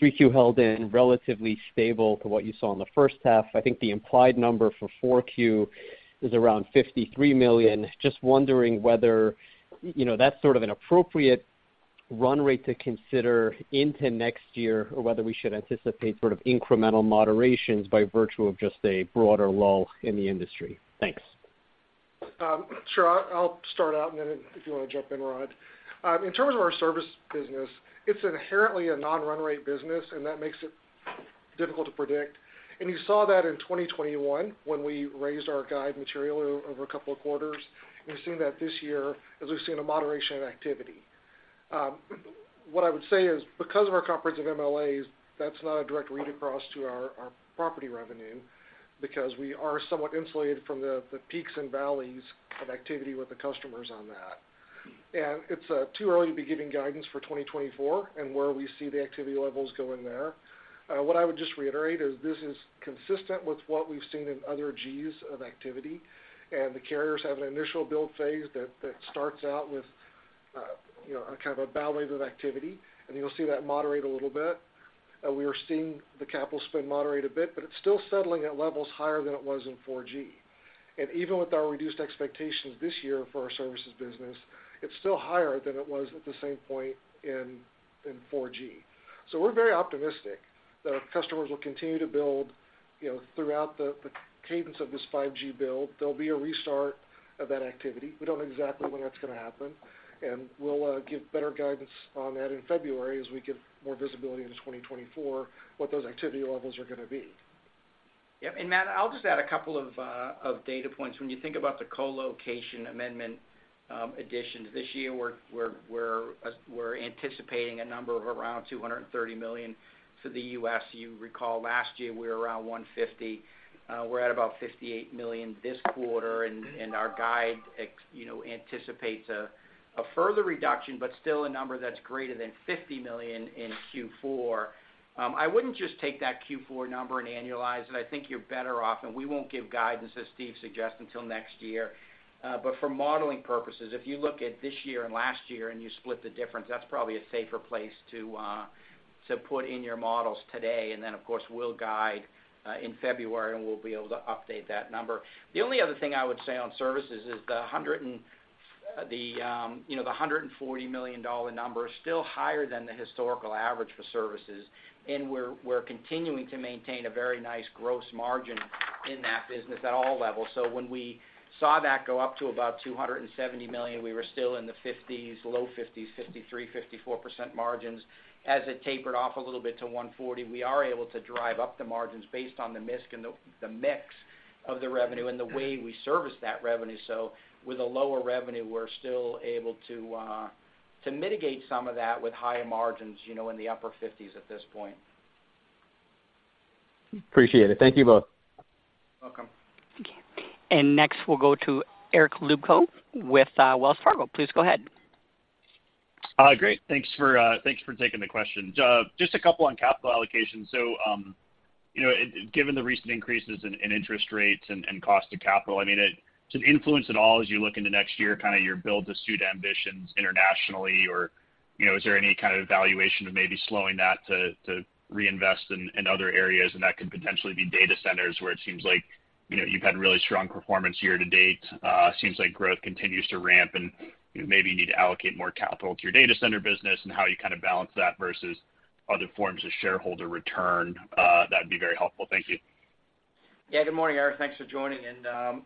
3Q held in relatively stable to what you saw in the first half. I think the implied number for 4Q is around $53 million. Just wondering whether, you know, that's sort of an appropriate run rate to consider into next year, or whether we should anticipate sort of incremental moderations by virtue of just a broader lull in the industry. Thanks. Sure. I'll, I'll start out, and then if you wanna jump in, Rod. In terms of our service business, it's inherently a non-run rate business, and that makes it difficult to predict. You saw that in 2021, when we raised our guide materially over a couple of quarters, and we've seen that this year as we've seen a moderation in activity. What I would say is, because of our comprehensive MLAs, that's not a direct read across to our, our property revenue, because we are somewhat insulated from the, the peaks and valleys of activity with the customers on that. It's too early to be giving guidance for 2024 and where we see the activity levels going there. What I would just reiterate is this is consistent with what we've seen in other G's of activity, and the carriers have an initial build phase that starts out with, you know, a kind of a valley of activity, and you'll see that moderate a little bit. We are seeing the capital spend moderate a bit, but it's still settling at levels higher than it was in 4G. And even with our reduced expectations this year for our services business, it's still higher than it was at the same point in 4G. So we're very optimistic that our customers will continue to build, you know, throughout the cadence of this 5G build. There'll be a restart of that activity. We don't know exactly when that's gonna happen, and we'll give better guidance on that in February as we get more visibility into 2024, what those activity levels are gonna be. Yep, and Matt, I'll just add a couple of data points. When you think about the colocation amendment addition to this year, we're anticipating a number of around $230 million for the US. You recall last year, we were around $150 million. We're at about $58 million this quarter, and our guide, you know, anticipates a further reduction, but still a number that's greater than $50 million in Q4. I wouldn't just take that Q4 number and annualize it. I think you're better off, and we won't give guidance, as Steve suggests, until next year. But for modeling purposes, if you look at this year and last year, and you split the difference, that's probably a safer place to put in your models today. And then, of course, we'll guide in February, and we'll be able to update that number. The only other thing I would say on services is the $140 million number is still higher than the historical average for services, and we're continuing to maintain a very nice gross margin in that business at all levels. So when we saw that go up to about $270 million, we were still in the 50s, low 50s, 53%-54% margins. As it tapered off a little bit to $140 million, we are able to drive up the margins based on the mix of the revenue and the way we service that revenue. So with a lower revenue, we're still able to mitigate some of that with higher margins, you know, in the upper fifties at this point. Appreciate it. Thank you both. You're welcome. Thank you. And next, we'll go to Eric Luebchow with Wells Fargo. Please go ahead. Great. Thanks for taking the questions. Just a couple on capital allocation. So, you know, given the recent increases in interest rates and cost of capital, I mean, does it influence at all as you look into next year, kind of your build-to-suit ambitions internationally? Or, you know, is there any kind of evaluation of maybe slowing that to reinvest in other areas? And that could potentially be data centers, where it seems like, you know, you've had really strong performance year to date, seems like growth continues to ramp, and you maybe need to allocate more capital to your data center business, and how you kind of balance that versus other forms of shareholder return. That'd be very helpful. Thank you. Yeah, good morning, Eric. Thanks for joining in.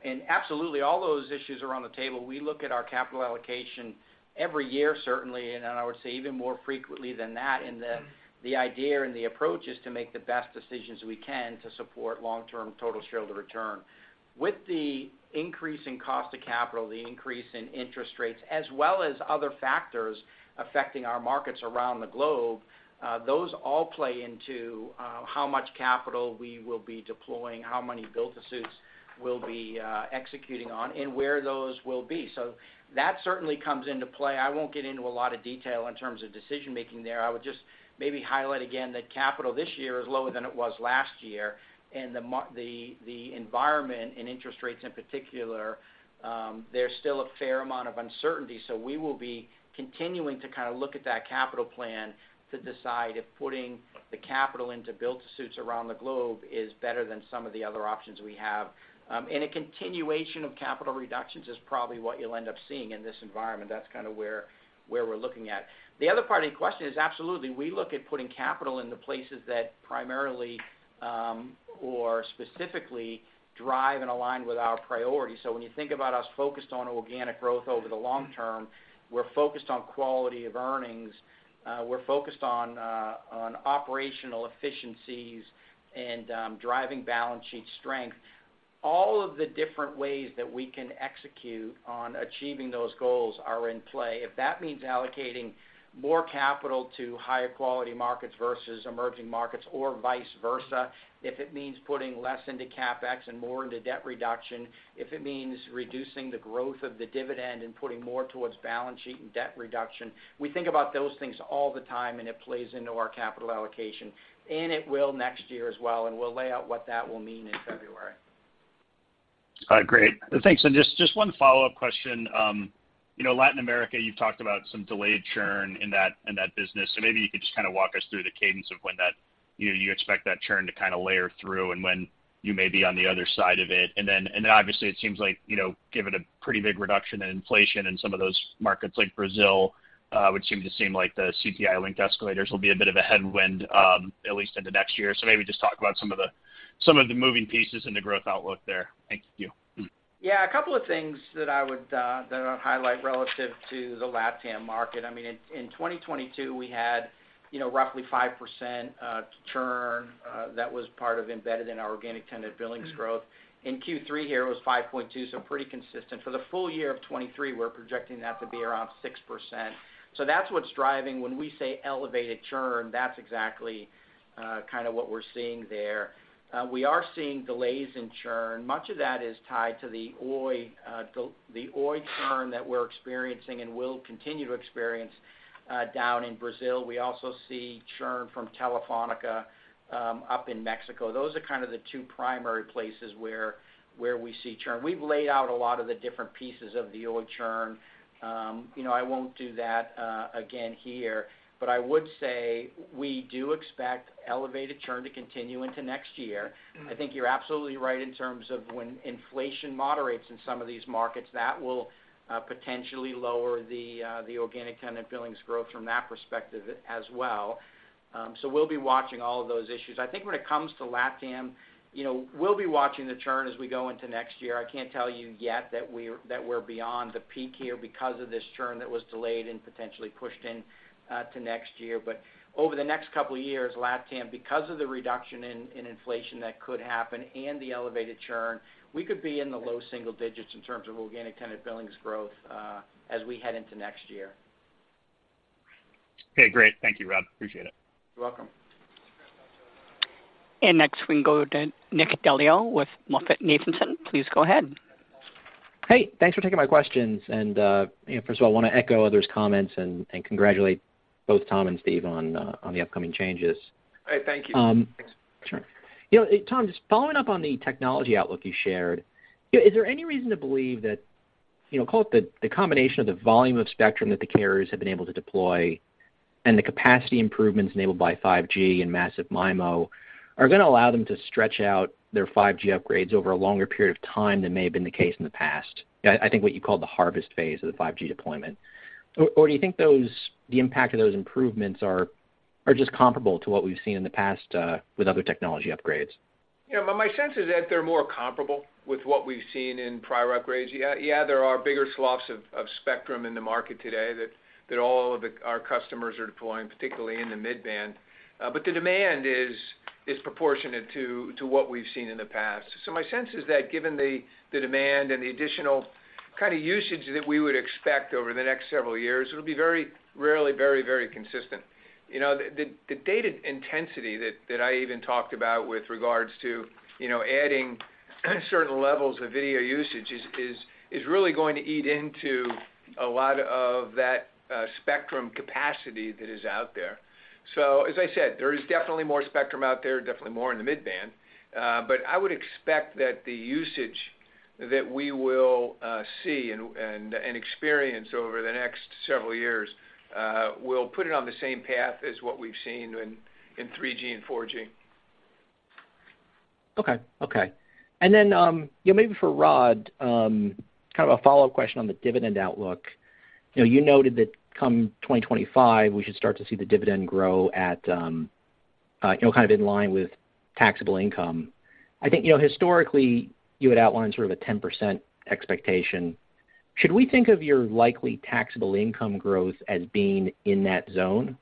And absolutely, all those issues are on the table. We look at our capital allocation every year, certainly, and I would say even more frequently than that, and the idea and the approach is to make the best decisions we can to support long-term total shareholder return. With the increase in cost of capital, the increase in interest rates, as well as other factors affecting our markets around the globe, those all play into how much capital we will be deploying, how many build-to-suits we'll be executing on, and where those will be. So that certainly comes into play. I won't get into a lot of detail in terms of decision-making there. I would just maybe highlight again, that capital this year is lower than it was last year, and the environment and interest rates in particular, there's still a fair amount of uncertainty. So we will be continuing to kind of look at that capital plan to decide if putting the capital into build-to-suits around the globe is better than some of the other options we have. And a continuation of capital reductions is probably what you'll end up seeing in this environment. That's kind of where we're looking at. The other part of the question is, absolutely, we look at putting capital into places that primarily, or specifically drive and align with our priorities. So when you think about us focused on organic growth over the long term, we're focused on quality of earnings, we're focused on operational efficiencies and driving balance sheet strength. All of the different ways that we can execute on achieving those goals are in play. If that means allocating more capital to higher quality markets versus emerging markets or vice versa, if it means putting less into CapEx and more into debt reduction, if it means reducing the growth of the dividend and putting more towards balance sheet and debt reduction, we think about those things all the time, and it plays into our capital allocation, and it will next year as well, and we'll lay out what that will mean in February. Great. Thanks. And just one follow-up question. You know, Latin America, you've talked about some delayed churn in that business. So maybe you could just kind of walk us through the cadence of when that, you know, you expect that churn to kind of layer through and when you may be on the other side of it. And then obviously, it seems like, you know, given a pretty big reduction in inflation in some of those markets like Brazil, which seems like the CPI-linked escalators will be a bit of a headwind, at least into next year. So maybe just talk about some of the moving pieces in the growth outlook there. Thank you. Yeah, a couple of things that I would that I'll highlight relative to the LatAm market. I mean, in 2022, we had, you know, roughly 5% churn that was part of embedded in our organic tenant billings growth. In Q3 here, it was 5.2%, so pretty consistent. For the full year of 2023, we're projecting that to be around 6%. So that's what's driving. When we say elevated churn, that's exactly kind of what we're seeing there. We are seeing delays in churn. Much of that is tied to the Oi, the Oi churn that we're experiencing and will continue to experience down in Brazil. We also see churn from Telefónica up in Mexico. Those are kind of the two primary places where we see churn. We've laid out a lot of the different pieces of the Oi churn. You know, I won't do that again here, but I would say we do expect elevated churn to continue into next year. I think you're absolutely right in terms of when inflation moderates in some of these markets, that will potentially lower the organic tenant billings growth from that perspective as well. So we'll be watching all of those issues. I think when it comes to LatAm, you know, we'll be watching the churn as we go into next year. I can't tell you yet that we're beyond the peak here because of this churn that was delayed and potentially pushed in to next year. But over the next couple of years, LatAm, because of the reduction in inflation that could happen and the elevated churn, we could be in the low single digits in terms of organic tenant billings growth, as we head into next year. Okay, great. Thank you, Rod. Appreciate it. You're welcome. Next, we can go to Nick Del Deo with MoffettNathanson. Please go ahead. Hey, thanks for taking my questions. You know, first of all, I want to echo others' comments and congratulate both Tom and Steve on the upcoming changes. Hey, thank you. Sure. You know, Tom, just following up on the technology outlook you shared, you know, is there any reason to believe that, you know, call it the, the combination of the volume of spectrum that the carriers have been able to deploy?... and the capacity improvements enabled by 5G and Massive MIMO are gonna allow them to stretch out their 5G upgrades over a longer period of time than may have been the case in the past. I think what you call the harvest phase of the 5G deployment. Or do you think those, the impact of those improvements are just comparable to what we've seen in the past with other technology upgrades? Yeah, but my sense is that they're more comparable with what we've seen in prior upgrades. Yeah, yeah, there are bigger swaths of spectrum in the market today that all of our customers are deploying, particularly in the mid-band. But the demand is proportionate to what we've seen in the past. So my sense is that given the demand and the additional kind of usage that we would expect over the next several years, it'll be very, really very, very consistent. You know, the data intensity that I even talked about with regards to, you know, adding certain levels of video usage is really going to eat into a lot of that spectrum capacity that is out there. So as I said, there is definitely more spectrum out there, definitely more in the mid-band. But I would expect that the usage that we will see and experience over the next several years will put it on the same path as what we've seen in 3G and 4G. Okay. Okay. And then, yeah, maybe for Rod, kind of a follow-up question on the dividend outlook. You know, you noted that come 2025, we should start to see the dividend grow at, you know, kind of in line with taxable income. I think, you know, historically, you had outlined sort of a 10% expectation. Should we think of your likely taxable income growth as being in that zone,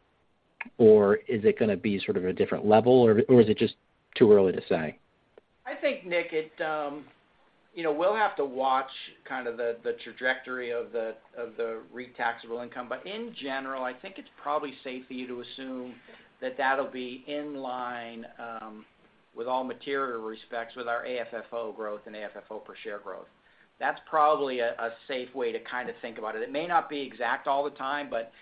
or is it gonna be sort of a different level, or is it just too early to say? I think, Nick, it, you know, we'll have to watch kind of the, the trajectory of the, of the REIT taxable income. But in general, I think it's probably safe for you to assume that that'll be in line, with all material respects with our AFFO growth and AFFO per share growth. That's probably a, a safe way to kind of think about it. It may not be exact all the time, but,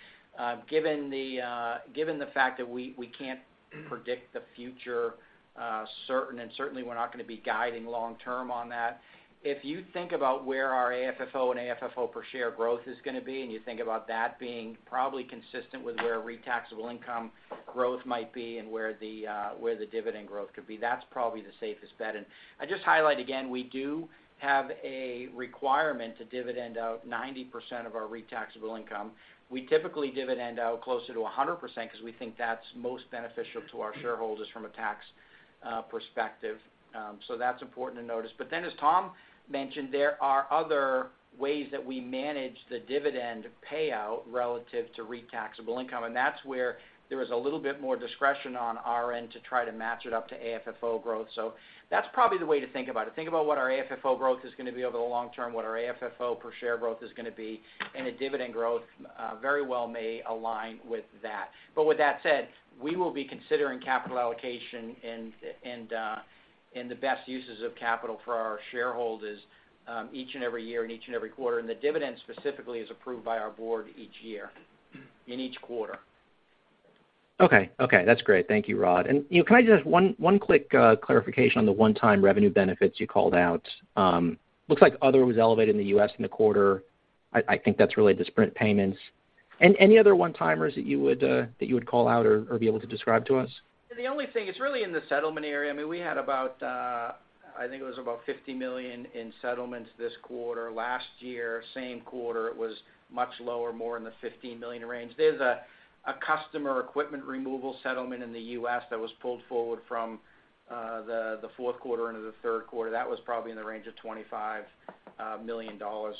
given the, given the fact that we, we can't predict the future, certain, and certainly we're not gonna be guiding long term on that. If you think about where our AFFO and AFFO per share growth is gonna be, and you think about that being probably consistent with where REIT taxable income growth might be and where the, where the dividend growth could be, that's probably the safest bet. I'd just highlight again, we do have a requirement to dividend out 90% of our REIT taxable income. We typically dividend out closer to 100% because we think that's most beneficial to our shareholders from a tax perspective. So that's important to notice. But then, as Tom mentioned, there are other ways that we manage the dividend payout relative to REIT taxable income, and that's where there is a little bit more discretion on our end to try to match it up to AFFO growth. So that's probably the way to think about it. Think about what our AFFO growth is gonna be over the long term, what our AFFO per share growth is gonna be, and the dividend growth very well may align with that. But with that said, we will be considering capital allocation and the best uses of capital for our shareholders each and every year and each and every quarter, and the dividend specifically is approved by our board each year, in each quarter. Okay, okay. That's great. Thank you, Rod. And, you know, can I just have one quick clarification on the one-time revenue benefits you called out? Looks like other was elevated in the U.S. in the quarter. I think that's related to Sprint payments. And any other one-timers that you would call out or be able to describe to us? The only thing, it's really in the settlement area. I mean, we had about, I think it was about $50 million in settlements this quarter. Last year, same quarter, it was much lower, more in the $15 million range. There's a customer equipment removal settlement in the U.S. that was pulled forward from the fourth quarter into the third quarter. That was probably in the range of $25 million or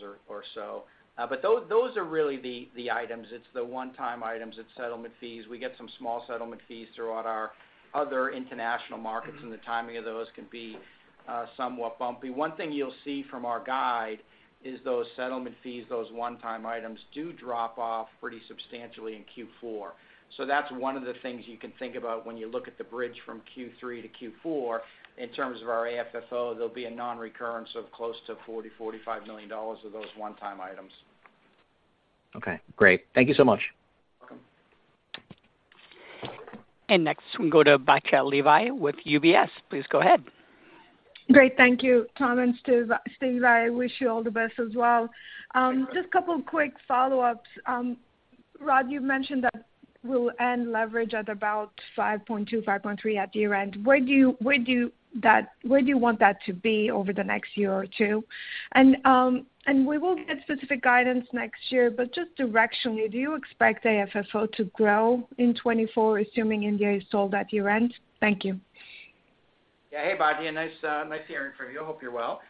so. But those are really the items. It's the one-time items, it's settlement fees. We get some small settlement fees throughout our other international markets, and the timing of those can be somewhat bumpy. One thing you'll see from our guide is those settlement fees, those one-time items, do drop off pretty substantially in Q4. So that's one of the things you can think about when you look at the bridge from Q3 to Q4. In terms of our AFFO, there'll be a nonrecurrence of close to $40 million-$45 million of those one-time items. Okay, great. Thank you so much. Welcome. Next, we go to Batya Levi with UBS. Please go ahead. Great. Thank you, Tom and Steve, Steve. I wish you all the best as well. Just a couple quick follow-ups. Rod, you mentioned that we'll end leverage at about 5.2, 5.3 at year-end. Where do you want that to be over the next year or two? And we will get specific guidance next year, but just directionally, do you expect AFFO to grow in 2024, assuming India is sold at year-end? Thank you. Yeah. Hey, Batya. Nice, nice hearing from you. I hope you're well.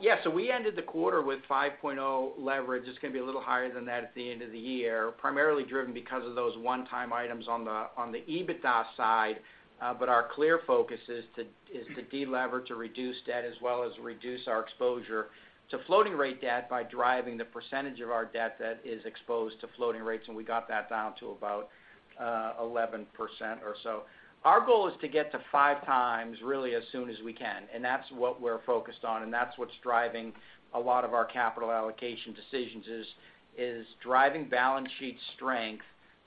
Yeah, so we ended the quarter with 5.0 leverage. It's gonna be a little higher than that at the end of the year, primarily driven because of those one-time items on the EBITDA side. But our clear focus is to delever, to reduce debt, as well as reduce our exposure to floating rate debt by driving the percentage of our debt that is exposed to floating rates, and we got that down to about, 11% or so. Our goal is to get to 5x, really, as soon as we can, and that's what we're focused on, and that's what's driving a lot of our capital allocation decisions, is driving balance sheet strength,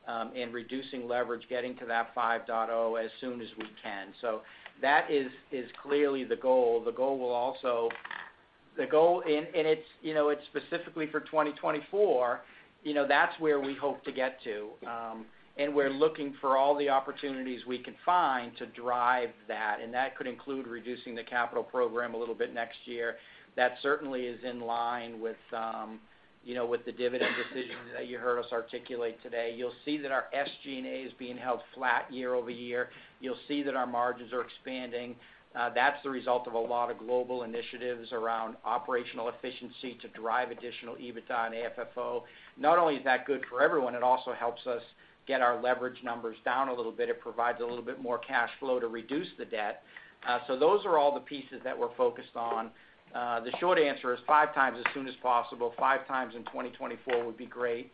and reducing leverage, getting to that 5.0 as soon as we can. So that is clearly the goal. The goal, and it's, you know, it's specifically for 2024, you know, that's where we hope to get to. And we're looking for all the opportunities we can find to drive that, and that could include reducing the capital program a little bit next year. That certainly is in line with, you know, with the dividend decision that you heard us articulate today. You'll see that our SG&A is being held flat year-over-year. You'll see that our margins are expanding. That's the result of a lot of global initiatives around operational efficiency to drive additional EBITDA and AFFO. Not only is that good for everyone, it also helps us get our leverage numbers down a little bit. It provides a little bit more cash flow to reduce the debt. So those are all the pieces that we're focused on. The short answer is 5x as soon as possible, 5x in 2024 would be great.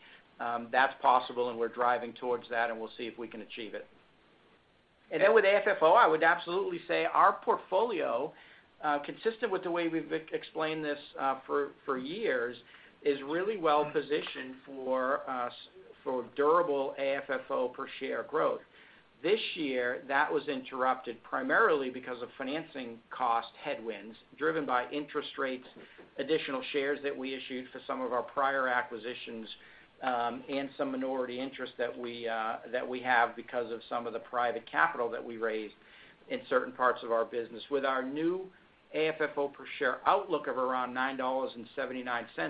That's possible, and we're driving towards that, and we'll see if we can achieve it. And then with AFFO, I would absolutely say our portfolio, consistent with the way we've explained this, for, for years, is really well positioned for, for durable AFFO per share growth. This year, that was interrupted primarily because of financing cost headwinds, driven by interest rates, additional shares that we issued for some of our prior acquisitions, and some minority interests that we have because of some of the private capital that we raised in certain parts of our business. With our new AFFO per share outlook of around $9.79,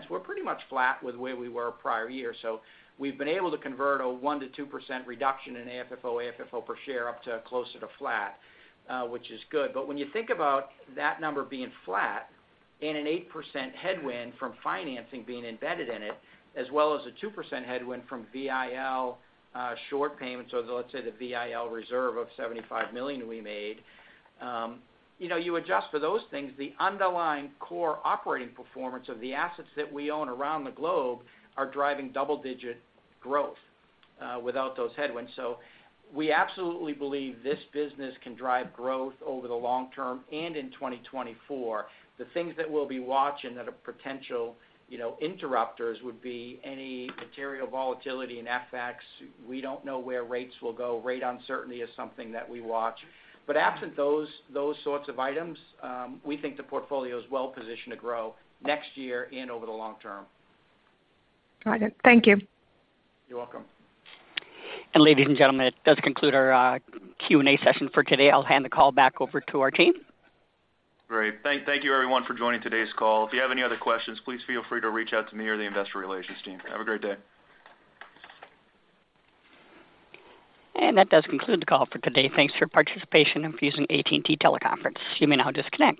we're pretty much flat with where we were prior year. So we've been able to convert a 1%-2% reduction in AFFO, AFFO per share up to closer to flat, which is good. But when you think about that number being flat and an 8% headwind from financing being embedded in it, as well as a 2% headwind from VIL short payments, or let's say the VIL reserve of $75 million we made, you know, you adjust for those things, the underlying core operating performance of the assets that we own around the globe are driving double-digit growth without those headwinds. So we absolutely believe this business can drive growth over the long term and in 2024. The things that we'll be watching that are potential, you know, interrupters, would be any material volatility in FX. We don't know where rates will go. Rate uncertainty is something that we watch. But absent those, those sorts of items, we think the portfolio is well positioned to grow next year and over the long term. Got it. Thank you. You're welcome. Ladies and gentlemen, that does conclude our Q&A session for today. I'll hand the call back over to our team. Great. Thank you, everyone, for joining today's call. If you have any other questions, please feel free to reach out to me or the investor relations team. Have a great day. That does conclude the call for today. Thanks for your participation in using AT&T Teleconference. You may now disconnect.